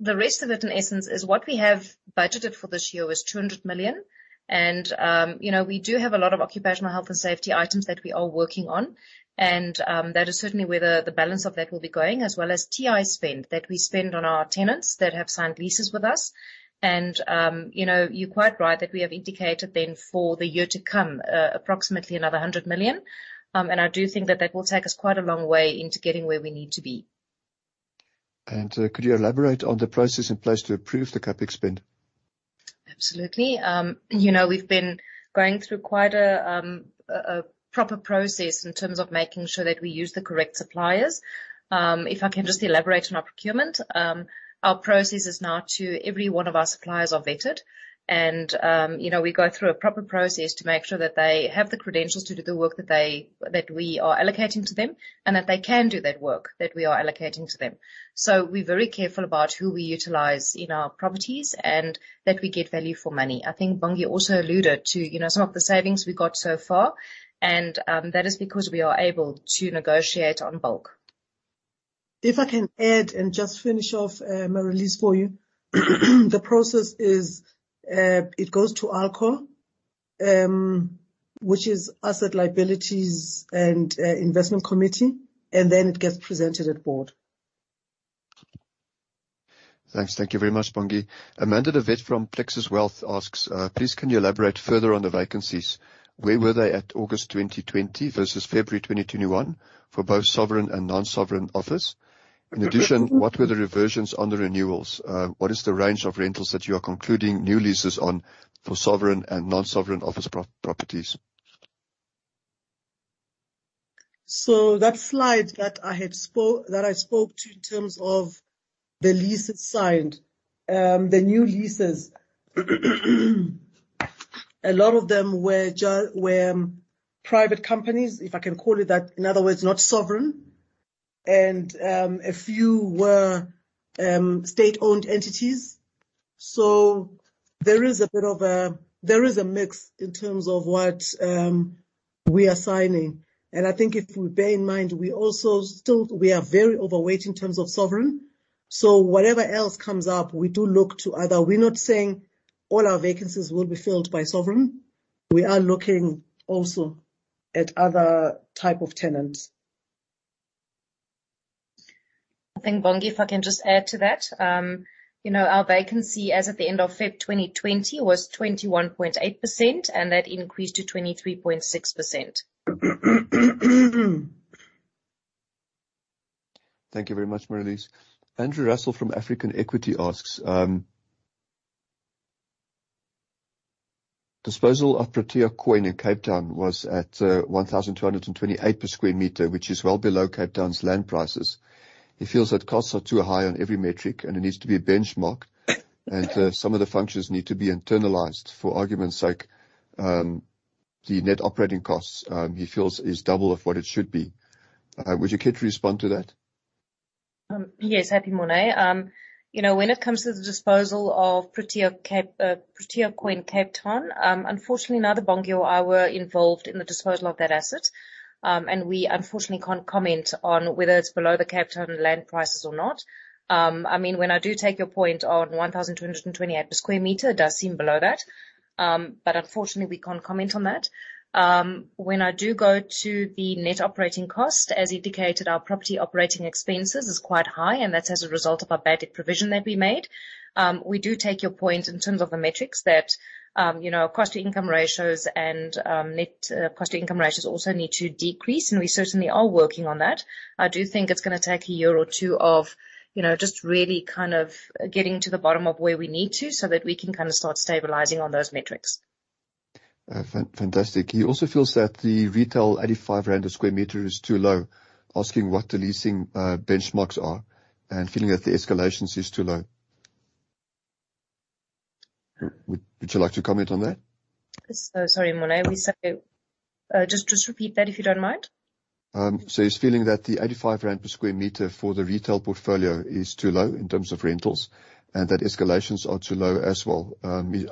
[SPEAKER 2] The rest of it, in essence, is what we have budgeted for this year was 200 million. We do have a lot of occupational health and safety items that we are working on. That is certainly where the balance of that will be going, as well as TI spend that we spend on our tenants that have signed leases with us. You are quite right that we have indicated then for the year to come, approximately another 100 million. I do think that that will take us quite a long way into getting where we need to be.
[SPEAKER 3] Could you elaborate on the process in place to approve the CapEx spend?
[SPEAKER 2] Absolutely. We've been going through quite a proper process in terms of making sure that we use the correct suppliers. If I can just elaborate on our procurement. Our process is now every one of our suppliers are vetted, and we go through a proper process to make sure that they have the credentials to do the work that we are allocating to them, and that they can do that work that we are allocating to them. We're very careful about who we utilize in our properties and that we get value for Morne. I think Bongi also alluded to some of the savings we got so far, and that is because we are able to negotiate on bulk.
[SPEAKER 1] If I can add and just finish off, Marelise, for you. The process is, it goes to ALCO, which is Asset Liabilities and Investment Committee, and then it gets presented at Board.
[SPEAKER 3] Thanks. Thank you very much, Bongi. Amanda de Wet from Plexus Wealth asks, please can you elaborate further on the vacancies? Where were they at August 2020 versus February 2021 for both sovereign and non-sovereign office? In addition, what were the reversions on the renewals? What is the range of rentals that you are concluding new leases on for sovereign and non-sovereign office properties?
[SPEAKER 1] That slide that I spoke to in terms of the leases signed, the new leases, a lot of them were private companies, if I can call it that. In other words, not sovereign. A few were state-owned entities. There is a mix in terms of what we are signing. I think if we bear in mind, we are very overweight in terms of sovereign. Whatever else comes up, we do look to other. We're not saying all our vacancies will be filled by sovereign. We are looking also at other type of tenants.
[SPEAKER 2] I think, Bongi, if I can just add to that. Our vacancy as at the end of Feb 2020 was 21.8%, and that increased to 23.6%.
[SPEAKER 3] Thank you very much, Marelise. Andrew Russell from African Equity asks, disposal of Protea Coin in Cape Town was at 1,228 per sq m, which is well below Cape Town's land prices. He feels that costs are too high on every metric, it needs to be a benchmark, and some of the functions need to be internalized. For argument's sake, the net operating costs, he feels is double of what it should be. Would you care to respond to that?
[SPEAKER 2] Yes, happy to, Morne. I do go to the disposal of Protea Coin Cape Town, unfortunately, neither Bongi or I were involved in the disposal of that asset. We unfortunately can't comment on whether it's below the Cape Town land prices or not. I do take your point of 1,228 per sq m, it does seem below that. Unfortunately, we can't comment on that. I do go to the net operating cost, as indicated, our property operating expenses is quite high, that's as a result of our bad debt provision that we made. We do take your point in terms of the metrics that cost to income ratios also need to decrease, we certainly are working on that. I do think it's going to take a year or two of just really kind of getting to the bottom of where we need to so that we can kind of start stabilizing on those metrics.
[SPEAKER 3] Fantastic. He also feels that the retail 85 rand a sq meter is too low, asking what the leasing benchmarks are and feeling that the escalation is too low. Would you like to comment on that?
[SPEAKER 2] Sorry, Morne. Just repeat that if you don't mind.
[SPEAKER 3] He's feeling that the 85 rand per sq m for the retail portfolio is too low in terms of rentals and that escalations are too low as well.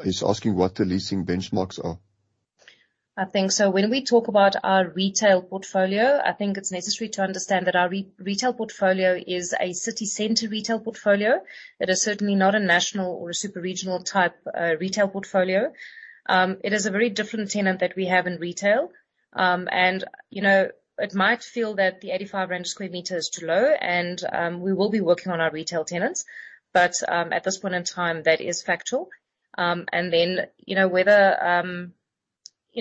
[SPEAKER 3] He's asking what the leasing benchmarks are.
[SPEAKER 2] I think so. When we talk about our retail portfolio, I think it is necessary to understand that our retail portfolio is a city center retail portfolio. It is certainly not a national or super regional type retail portfolio. It is a very different tenant that we have in retail. It might feel that the 85 rand sq m is too low, and we will be working on our retail tenants. At this point in time, that is factual. Whether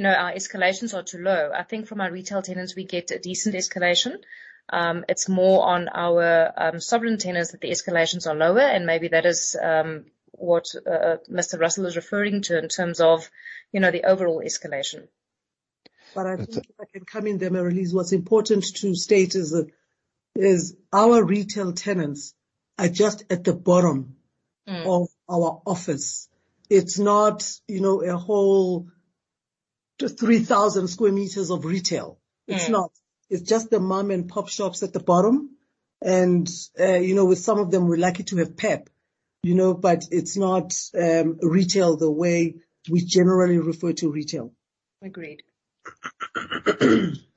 [SPEAKER 2] our escalations are too low. I think from our retail tenants, we get a decent escalation. It is more on our sovereign tenants that the escalations are lower, and maybe that is what Mr. Russell is referring to in terms of the overall escalation.
[SPEAKER 1] I think if I can come in there, Marelise, what's important to state is our retail tenants are just at the bottom of our office. It's not a whole 3,000 sq m of retail. It's not. It's just the mom-and-pop shops at the bottom, and with some of them, we're lucky to have PEP. It's not retail the way we generally refer to retail.
[SPEAKER 2] Agreed.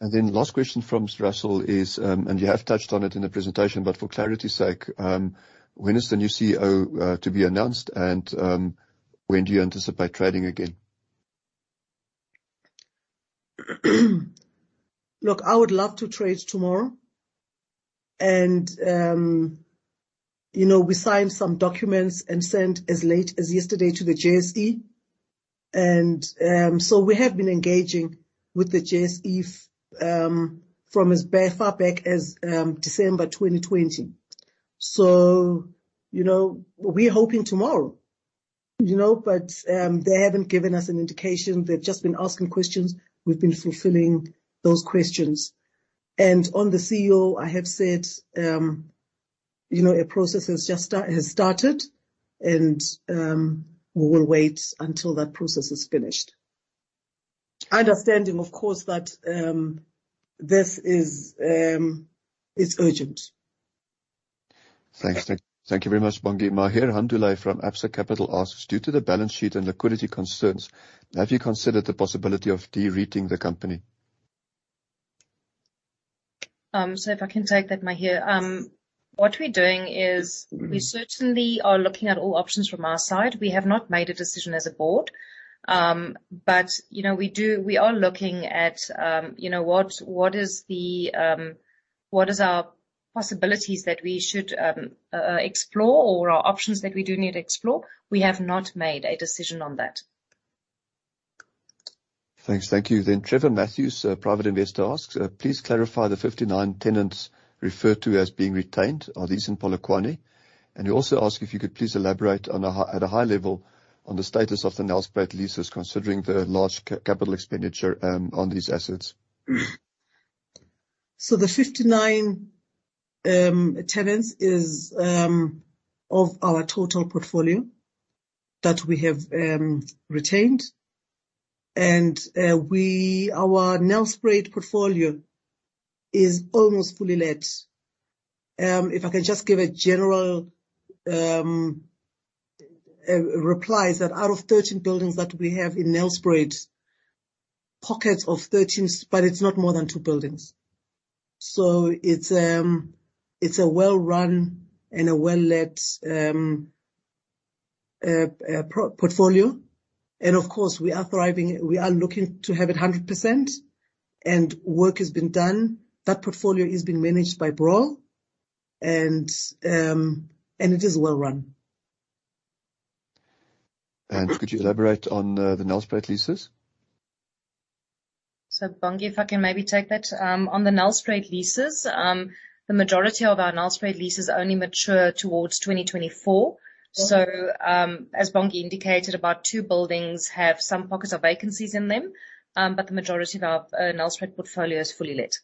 [SPEAKER 3] Last question from Andrew Russell is, and you have touched on it in the presentation, but for clarity's sake, when is the new CEO to be announced and when do you anticipate trading again?
[SPEAKER 1] Look, I would love to trade tomorrow. We signed some documents and sent as late as yesterday to the JSE. We have been engaging with the JSE from as far back as December 2020. We're hoping tomorrow. They haven't given us an indication. They've just been asking questions. We've been fulfilling those questions. On the CEO, I have said, a process has started, and we will wait until that process is finished. Understanding, of course, that this is urgent.
[SPEAKER 3] Thanks. Thank you very much, Bongi. Mahier Hamdulay from Absa Capital asks, "Due to the balance sheet and liquidity concerns, have you considered the possibility of de-REITing the company?
[SPEAKER 1] If I can take that, Mahir. What we're doing is we certainly are looking at all options from our side. We have not made a decision as a board. We are looking at what is our possibilities that we should explore or options that we do need to explore. We have not made a decision on that.
[SPEAKER 3] Thanks. Thank you. Trevor Matthews, a private investor, asks, "Please clarify the 59 tenants referred to as being retained. Are these in Polokwane?" He also asks if you could please elaborate at a high level on the status of the Nelspruit leases, considering the large capital expenditure on these assets.
[SPEAKER 1] The 59 tenants is of our total portfolio that we have retained. Our Nelspruit portfolio is almost fully let. If I can just give a general reply is that out of 13 buildings that we have in Nelspruit, pockets of 13, but it's not more than two buildings. It's a well-run and a well-let portfolio. Of course, we are thriving. We are looking to have it 100%, and work has been done. That portfolio is being managed by Broll, and it is well run.
[SPEAKER 3] Could you elaborate on the Nelspruit leases?
[SPEAKER 2] Bongi, if I can maybe take that. On the Nelspruit leases, the majority of our Nelspruit leases only mature towards 2024. As Bongi indicated, about two buildings have some pockets of vacancies in them. The majority of our Nelspruit portfolio is fully let.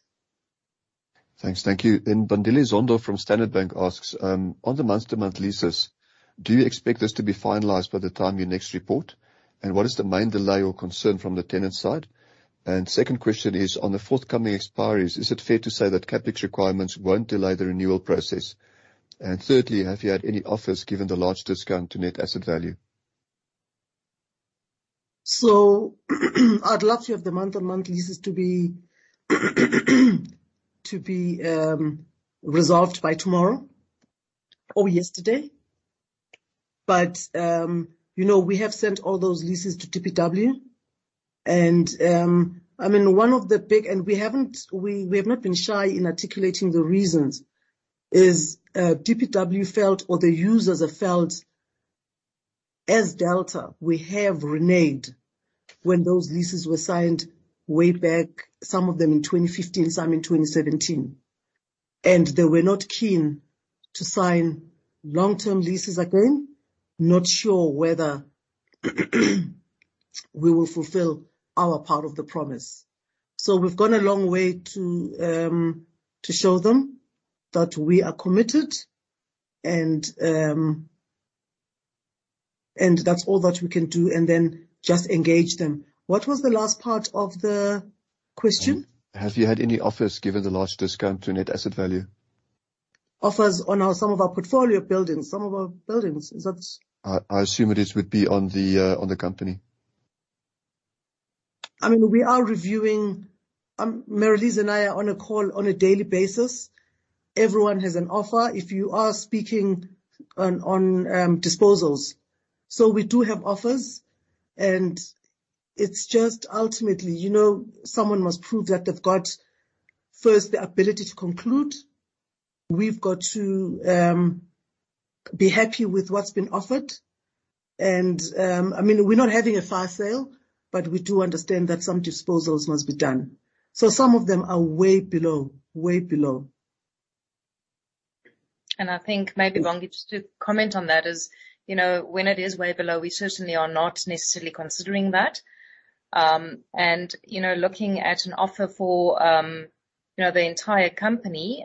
[SPEAKER 3] Thanks. Thank you. Bandile Zondo from Standard Bank asks, "On the month-to-month leases, do you expect this to be finalized by the time you next report? And what is the main delay or concern from the tenant side?" Second question is: "On the forthcoming expiries, is it fair to say that CapEx requirements won't delay the renewal process?" Thirdly: "Have you had any offers given the large discount to net asset value?
[SPEAKER 1] I'd love to have the month-to-month leases to be resolved by tomorrow or yesterday. We have sent all those leases to DPW, and we have not been shy in articulating the reasons. Is DPW felt or the users have felt, as Delta, we have reneged when those leases were signed way back, some of them in 2015, some in 2017. They were not keen to sign long-term leases again. Not sure whether we will fulfill our part of the promise. We've gone a long way to show them that we are committed, and that's all that we can do, and then just engage them. What was the last part of the question?
[SPEAKER 3] Have you had any offers given the large discount to net asset value?
[SPEAKER 1] Offers on some of our portfolio buildings.
[SPEAKER 3] I assume it would be on the company.
[SPEAKER 1] We are reviewing. Marelise and I are on a call on a daily basis. Everyone has an offer. If you are speaking on disposals. We do have offers, and it's just ultimately, someone must prove that they've got, first, the ability to conclude. We've got to be happy with what's been offered. We're not having a fire sale, but we do understand that some disposals must be done. Some of them are way below.
[SPEAKER 2] I think maybe, Bongi, just to comment on that is, when it is way below, we certainly are not necessarily considering that. Looking at an offer for the entire company,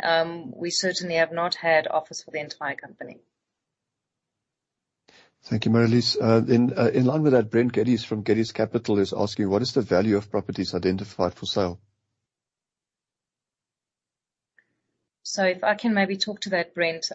[SPEAKER 2] we certainly have not had offers for the entire company.
[SPEAKER 3] Thank you, Marelise. In line with that, Brent Geddes from Geddes Capital is asking: "What is the value of properties identified for sale?
[SPEAKER 2] If I can maybe talk to that, Brent.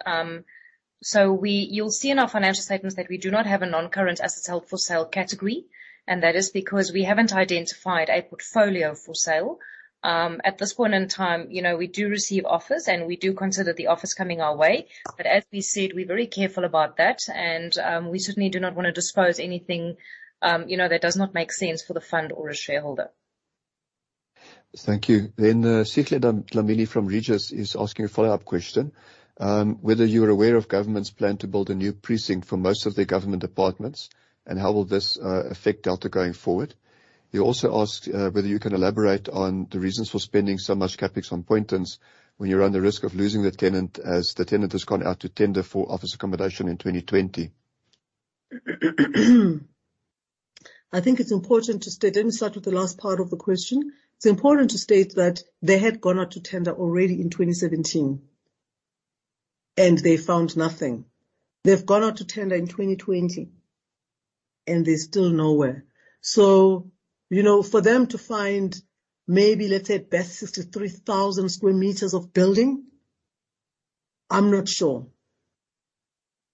[SPEAKER 2] You'll see in our financial statements that we do not have a non-current asset sale for sale category, and that is because we haven't identified a portfolio for sale. At this point in time, we do receive offers, and we do consider the offers coming our way. As we said, we're very careful about that, and we certainly do not want to dispose anything that does not make sense for the fund or a shareholder.
[SPEAKER 3] Thank you. Sihle Dlamini from Regus is asking a follow-up question. Whether you're aware of government's plan to build a new precinct for most of their government departments, and how will this affect Delta going forward? He also asked whether you can elaborate on the reasons for spending so much CapEx on Poyntons when you run the risk of losing the tenant, as the tenant has gone out to tender for office accommodation in 2020.
[SPEAKER 1] I think it's important to state, let me start with the last part of the question. It's important to state that they had gone out to tender already in 2017, and they found nothing. They've gone out to tender in 2020, and they're still nowhere. For them to find, maybe let's say that's 53,000 sq m of building, I'm not sure.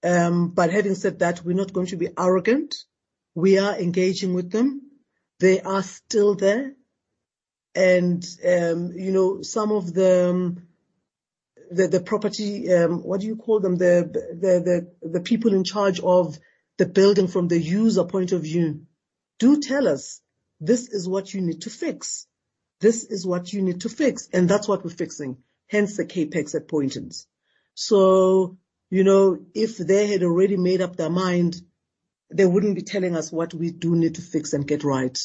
[SPEAKER 1] Having said that, we're not going to be arrogant. We are engaging with them. They are still there, and some of them, the property, what do you call them? The people in charge of the building from the user point of view do tell us, "This is what you need to fix. This is what you need to fix." That's what we're fixing, hence the CapEx at Poyntons. If they had already made up their mind, they wouldn't be telling us what we do need to fix and get right.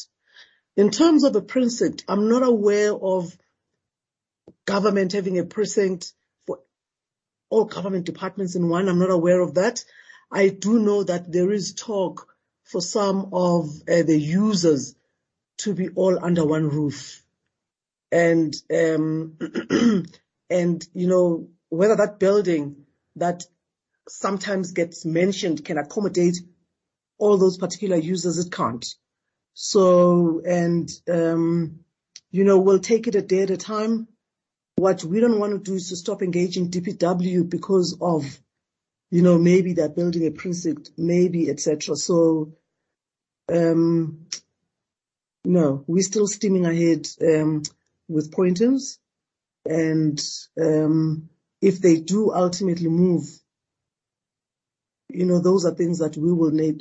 [SPEAKER 1] In terms of the precinct, I'm not aware of government having a precinct for all government departments in one. I'm not aware of that. I do know that there is talk for some of the users to be all under one roof. Whether that building that sometimes gets mentioned can accommodate all those particular users, it can't. We'll take it a day at a time. What we don't want to do is to stop engaging DPW because of maybe they're building a precinct, maybe, et cetera. No, we're still steaming ahead with Poyntons. If they do ultimately move, those are things that we will need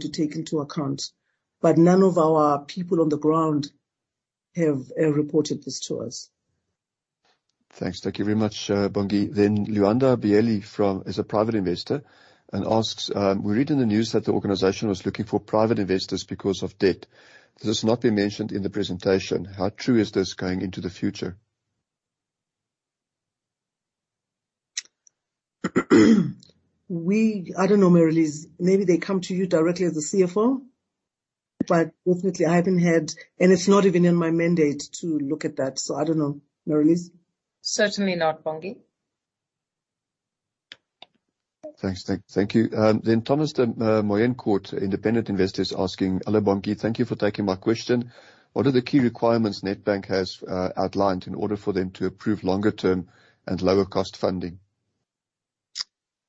[SPEAKER 1] to take into account. None of our people on the ground have reported this to us.
[SPEAKER 3] Thanks. Thank you very much, Bongi. Luyanda Biyela is a Private Investor and asks, we read in the news that the organization was looking for private investors because of debt. This has not been mentioned in the presentation. How true is this going into the future?
[SPEAKER 1] I don't know, Marelise. Maybe they come to you directly as the CFO, but ultimately I haven't heard, and it's not even in my mandate to look at that. I don't know, Marelise.
[SPEAKER 2] Certainly not, Bongi.
[SPEAKER 3] Thanks. Thank you. Thomas de Moyencourt, Independent Investor, is asking. Hello, Bongi. Thank you for taking my question. What are the key requirements Nedbank has outlined in order for them to approve longer-term and lower-cost funding?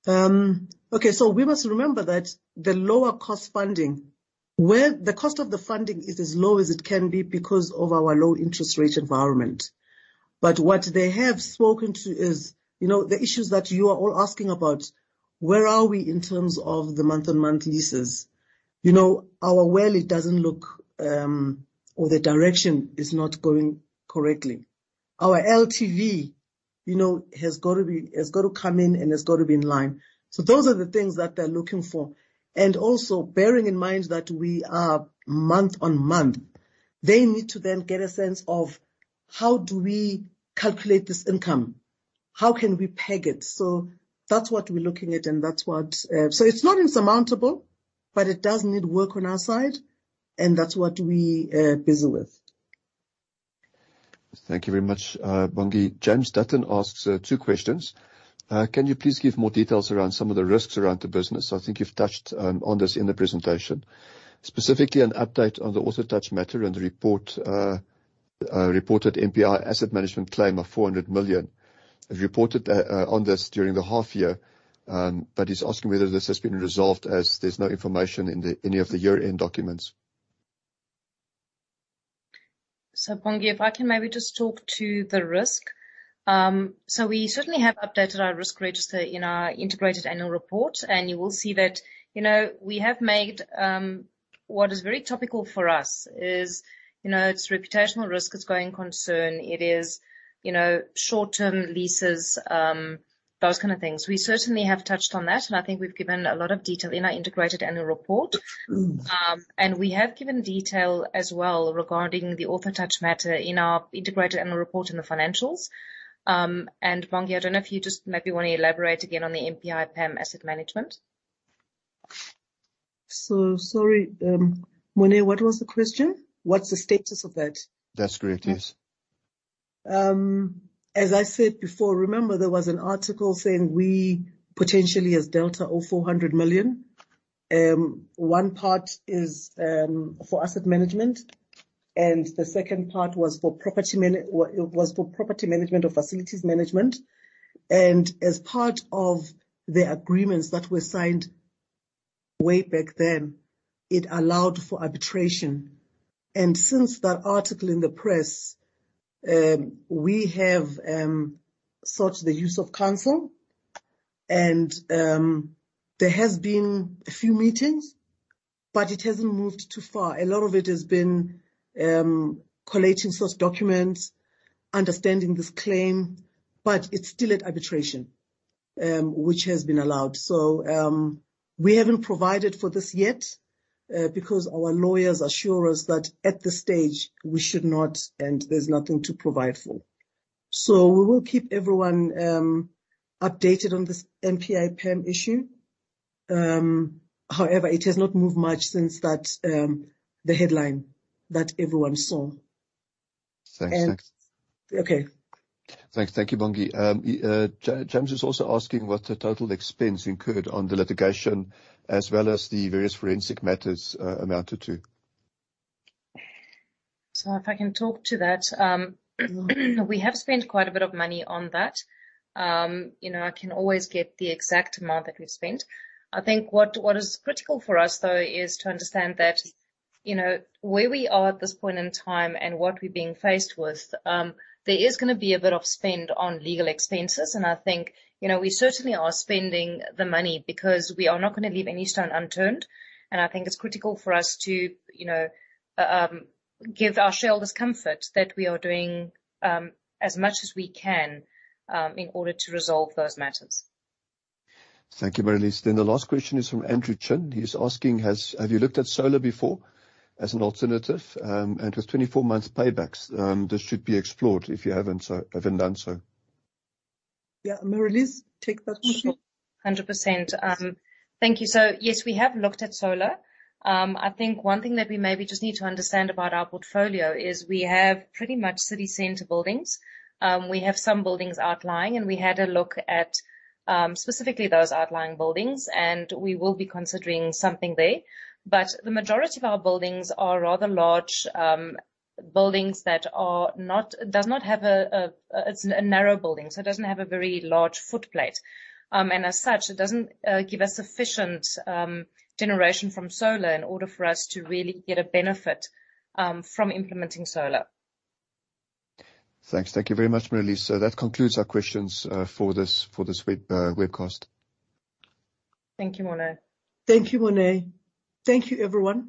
[SPEAKER 1] Okay. We must remember that the lower cost funding, where the cost of the funding is as low as it can be because of our low interest rate environment. What they have spoken to is, the issues that you are all asking about, where are we in terms of the month-on-month leases? Our WALE doesn't look, or the direction is not going correctly. Our LTV, has got to come in, and has got to be in line. Those are the things that they're looking for. Also bearing in mind that we are month-on-month, they need to then get a sense of how do we calculate this income? How can we peg it? That's what we're looking at. It's not insurmountable, but it does need work on our side, and that's what we are busy with.
[SPEAKER 3] Thank you very much, Bongi. James Dutton asks two questions. Can you please give more details around some of the risks around the business? I think you've touched on this in the presentation. Specifically, an update on the Orthotouch matter and the reported NPI Asset Management claim of 400 million. You reported on this during the half year. He's asking whether this has been resolved, as there's no information in any of the year-end documents.
[SPEAKER 2] Bongi, if I can maybe just talk to the risk. We certainly have updated our risk register in our integrated annual report, and you will see that we have made, what is very topical for us is, it's reputational risk is going concern. It is short-term leases, those kind of things. We certainly have touched on that, and I think we've given a lot of detail in our integrated annual report. We have given detail as well regarding the Orthotouch matter in our integrated annual report in the financials. Bongi, I don't know if you just maybe want to elaborate again on the DPAM asset management.
[SPEAKER 1] Sorry. Morne, what was the question? What's the status of that?
[SPEAKER 3] That's great. Yes.
[SPEAKER 1] As I said before, remember there was an article saying we potentially as Delta owe 400 million. One part is for asset management, the second part was for property management or facilities management. As part of the agreements that were signed way back then, it allowed for arbitration. Since that article in the press, we have sought the use of counsel. There have been a few meetings, but it hasn't moved too far. A lot of it has been collating source documents, understanding this claim, but it's still at arbitration, which has been allowed. We haven't provided for this yet because our lawyers assure us that at this stage we should not, and there's nothing to provide for. We will keep everyone updated on this NPI PAM issue. However, it has not moved much since the headline that everyone saw.
[SPEAKER 3] Thanks.
[SPEAKER 1] Okay.
[SPEAKER 3] Thanks. Thank you, Bongi. James is also asking what the total expense incurred on the litigation, as well as the various forensic matters amounted to.
[SPEAKER 2] If I can talk to that, we have spent quite a bit of Morne on that. I can always get the exact amount that we spent. I think what is critical for us, though, is to understand that where we are at this point in time and what we're being faced with, there is going to be a bit of spend on legal expenses. I think we certainly are spending the Morne because we are not going to leave any stone unturned. I think it's critical for us to give our shareholders comfort that we are doing as much as we can in order to resolve those matters.
[SPEAKER 3] Thank you, Marelise. The last question is from Andrew Chin. He's asking, have you looked at solar before as an alternative? With 24 months paybacks, this should be explored if you haven't done so.
[SPEAKER 1] Yeah. Marelise, take that question.
[SPEAKER 2] 100%. Thank you, sir. Yes, we have looked at solar. I think one thing that we maybe just need to understand about our portfolio is we have pretty much city center buildings. We have some buildings outlying. We had a look at specifically those outlying buildings. We will be considering something there. The majority of our buildings are rather large buildings that are narrow buildings, so it doesn't have a very large footplate. As such, it doesn't give us sufficient generation from solar in order for us to really get a benefit from implementing solar.
[SPEAKER 3] Thanks. Thank you very much, Marelise. That concludes our questions for this webcast.
[SPEAKER 2] Thank you, Morne.
[SPEAKER 1] Thank you, Morne. Thank you, everyone.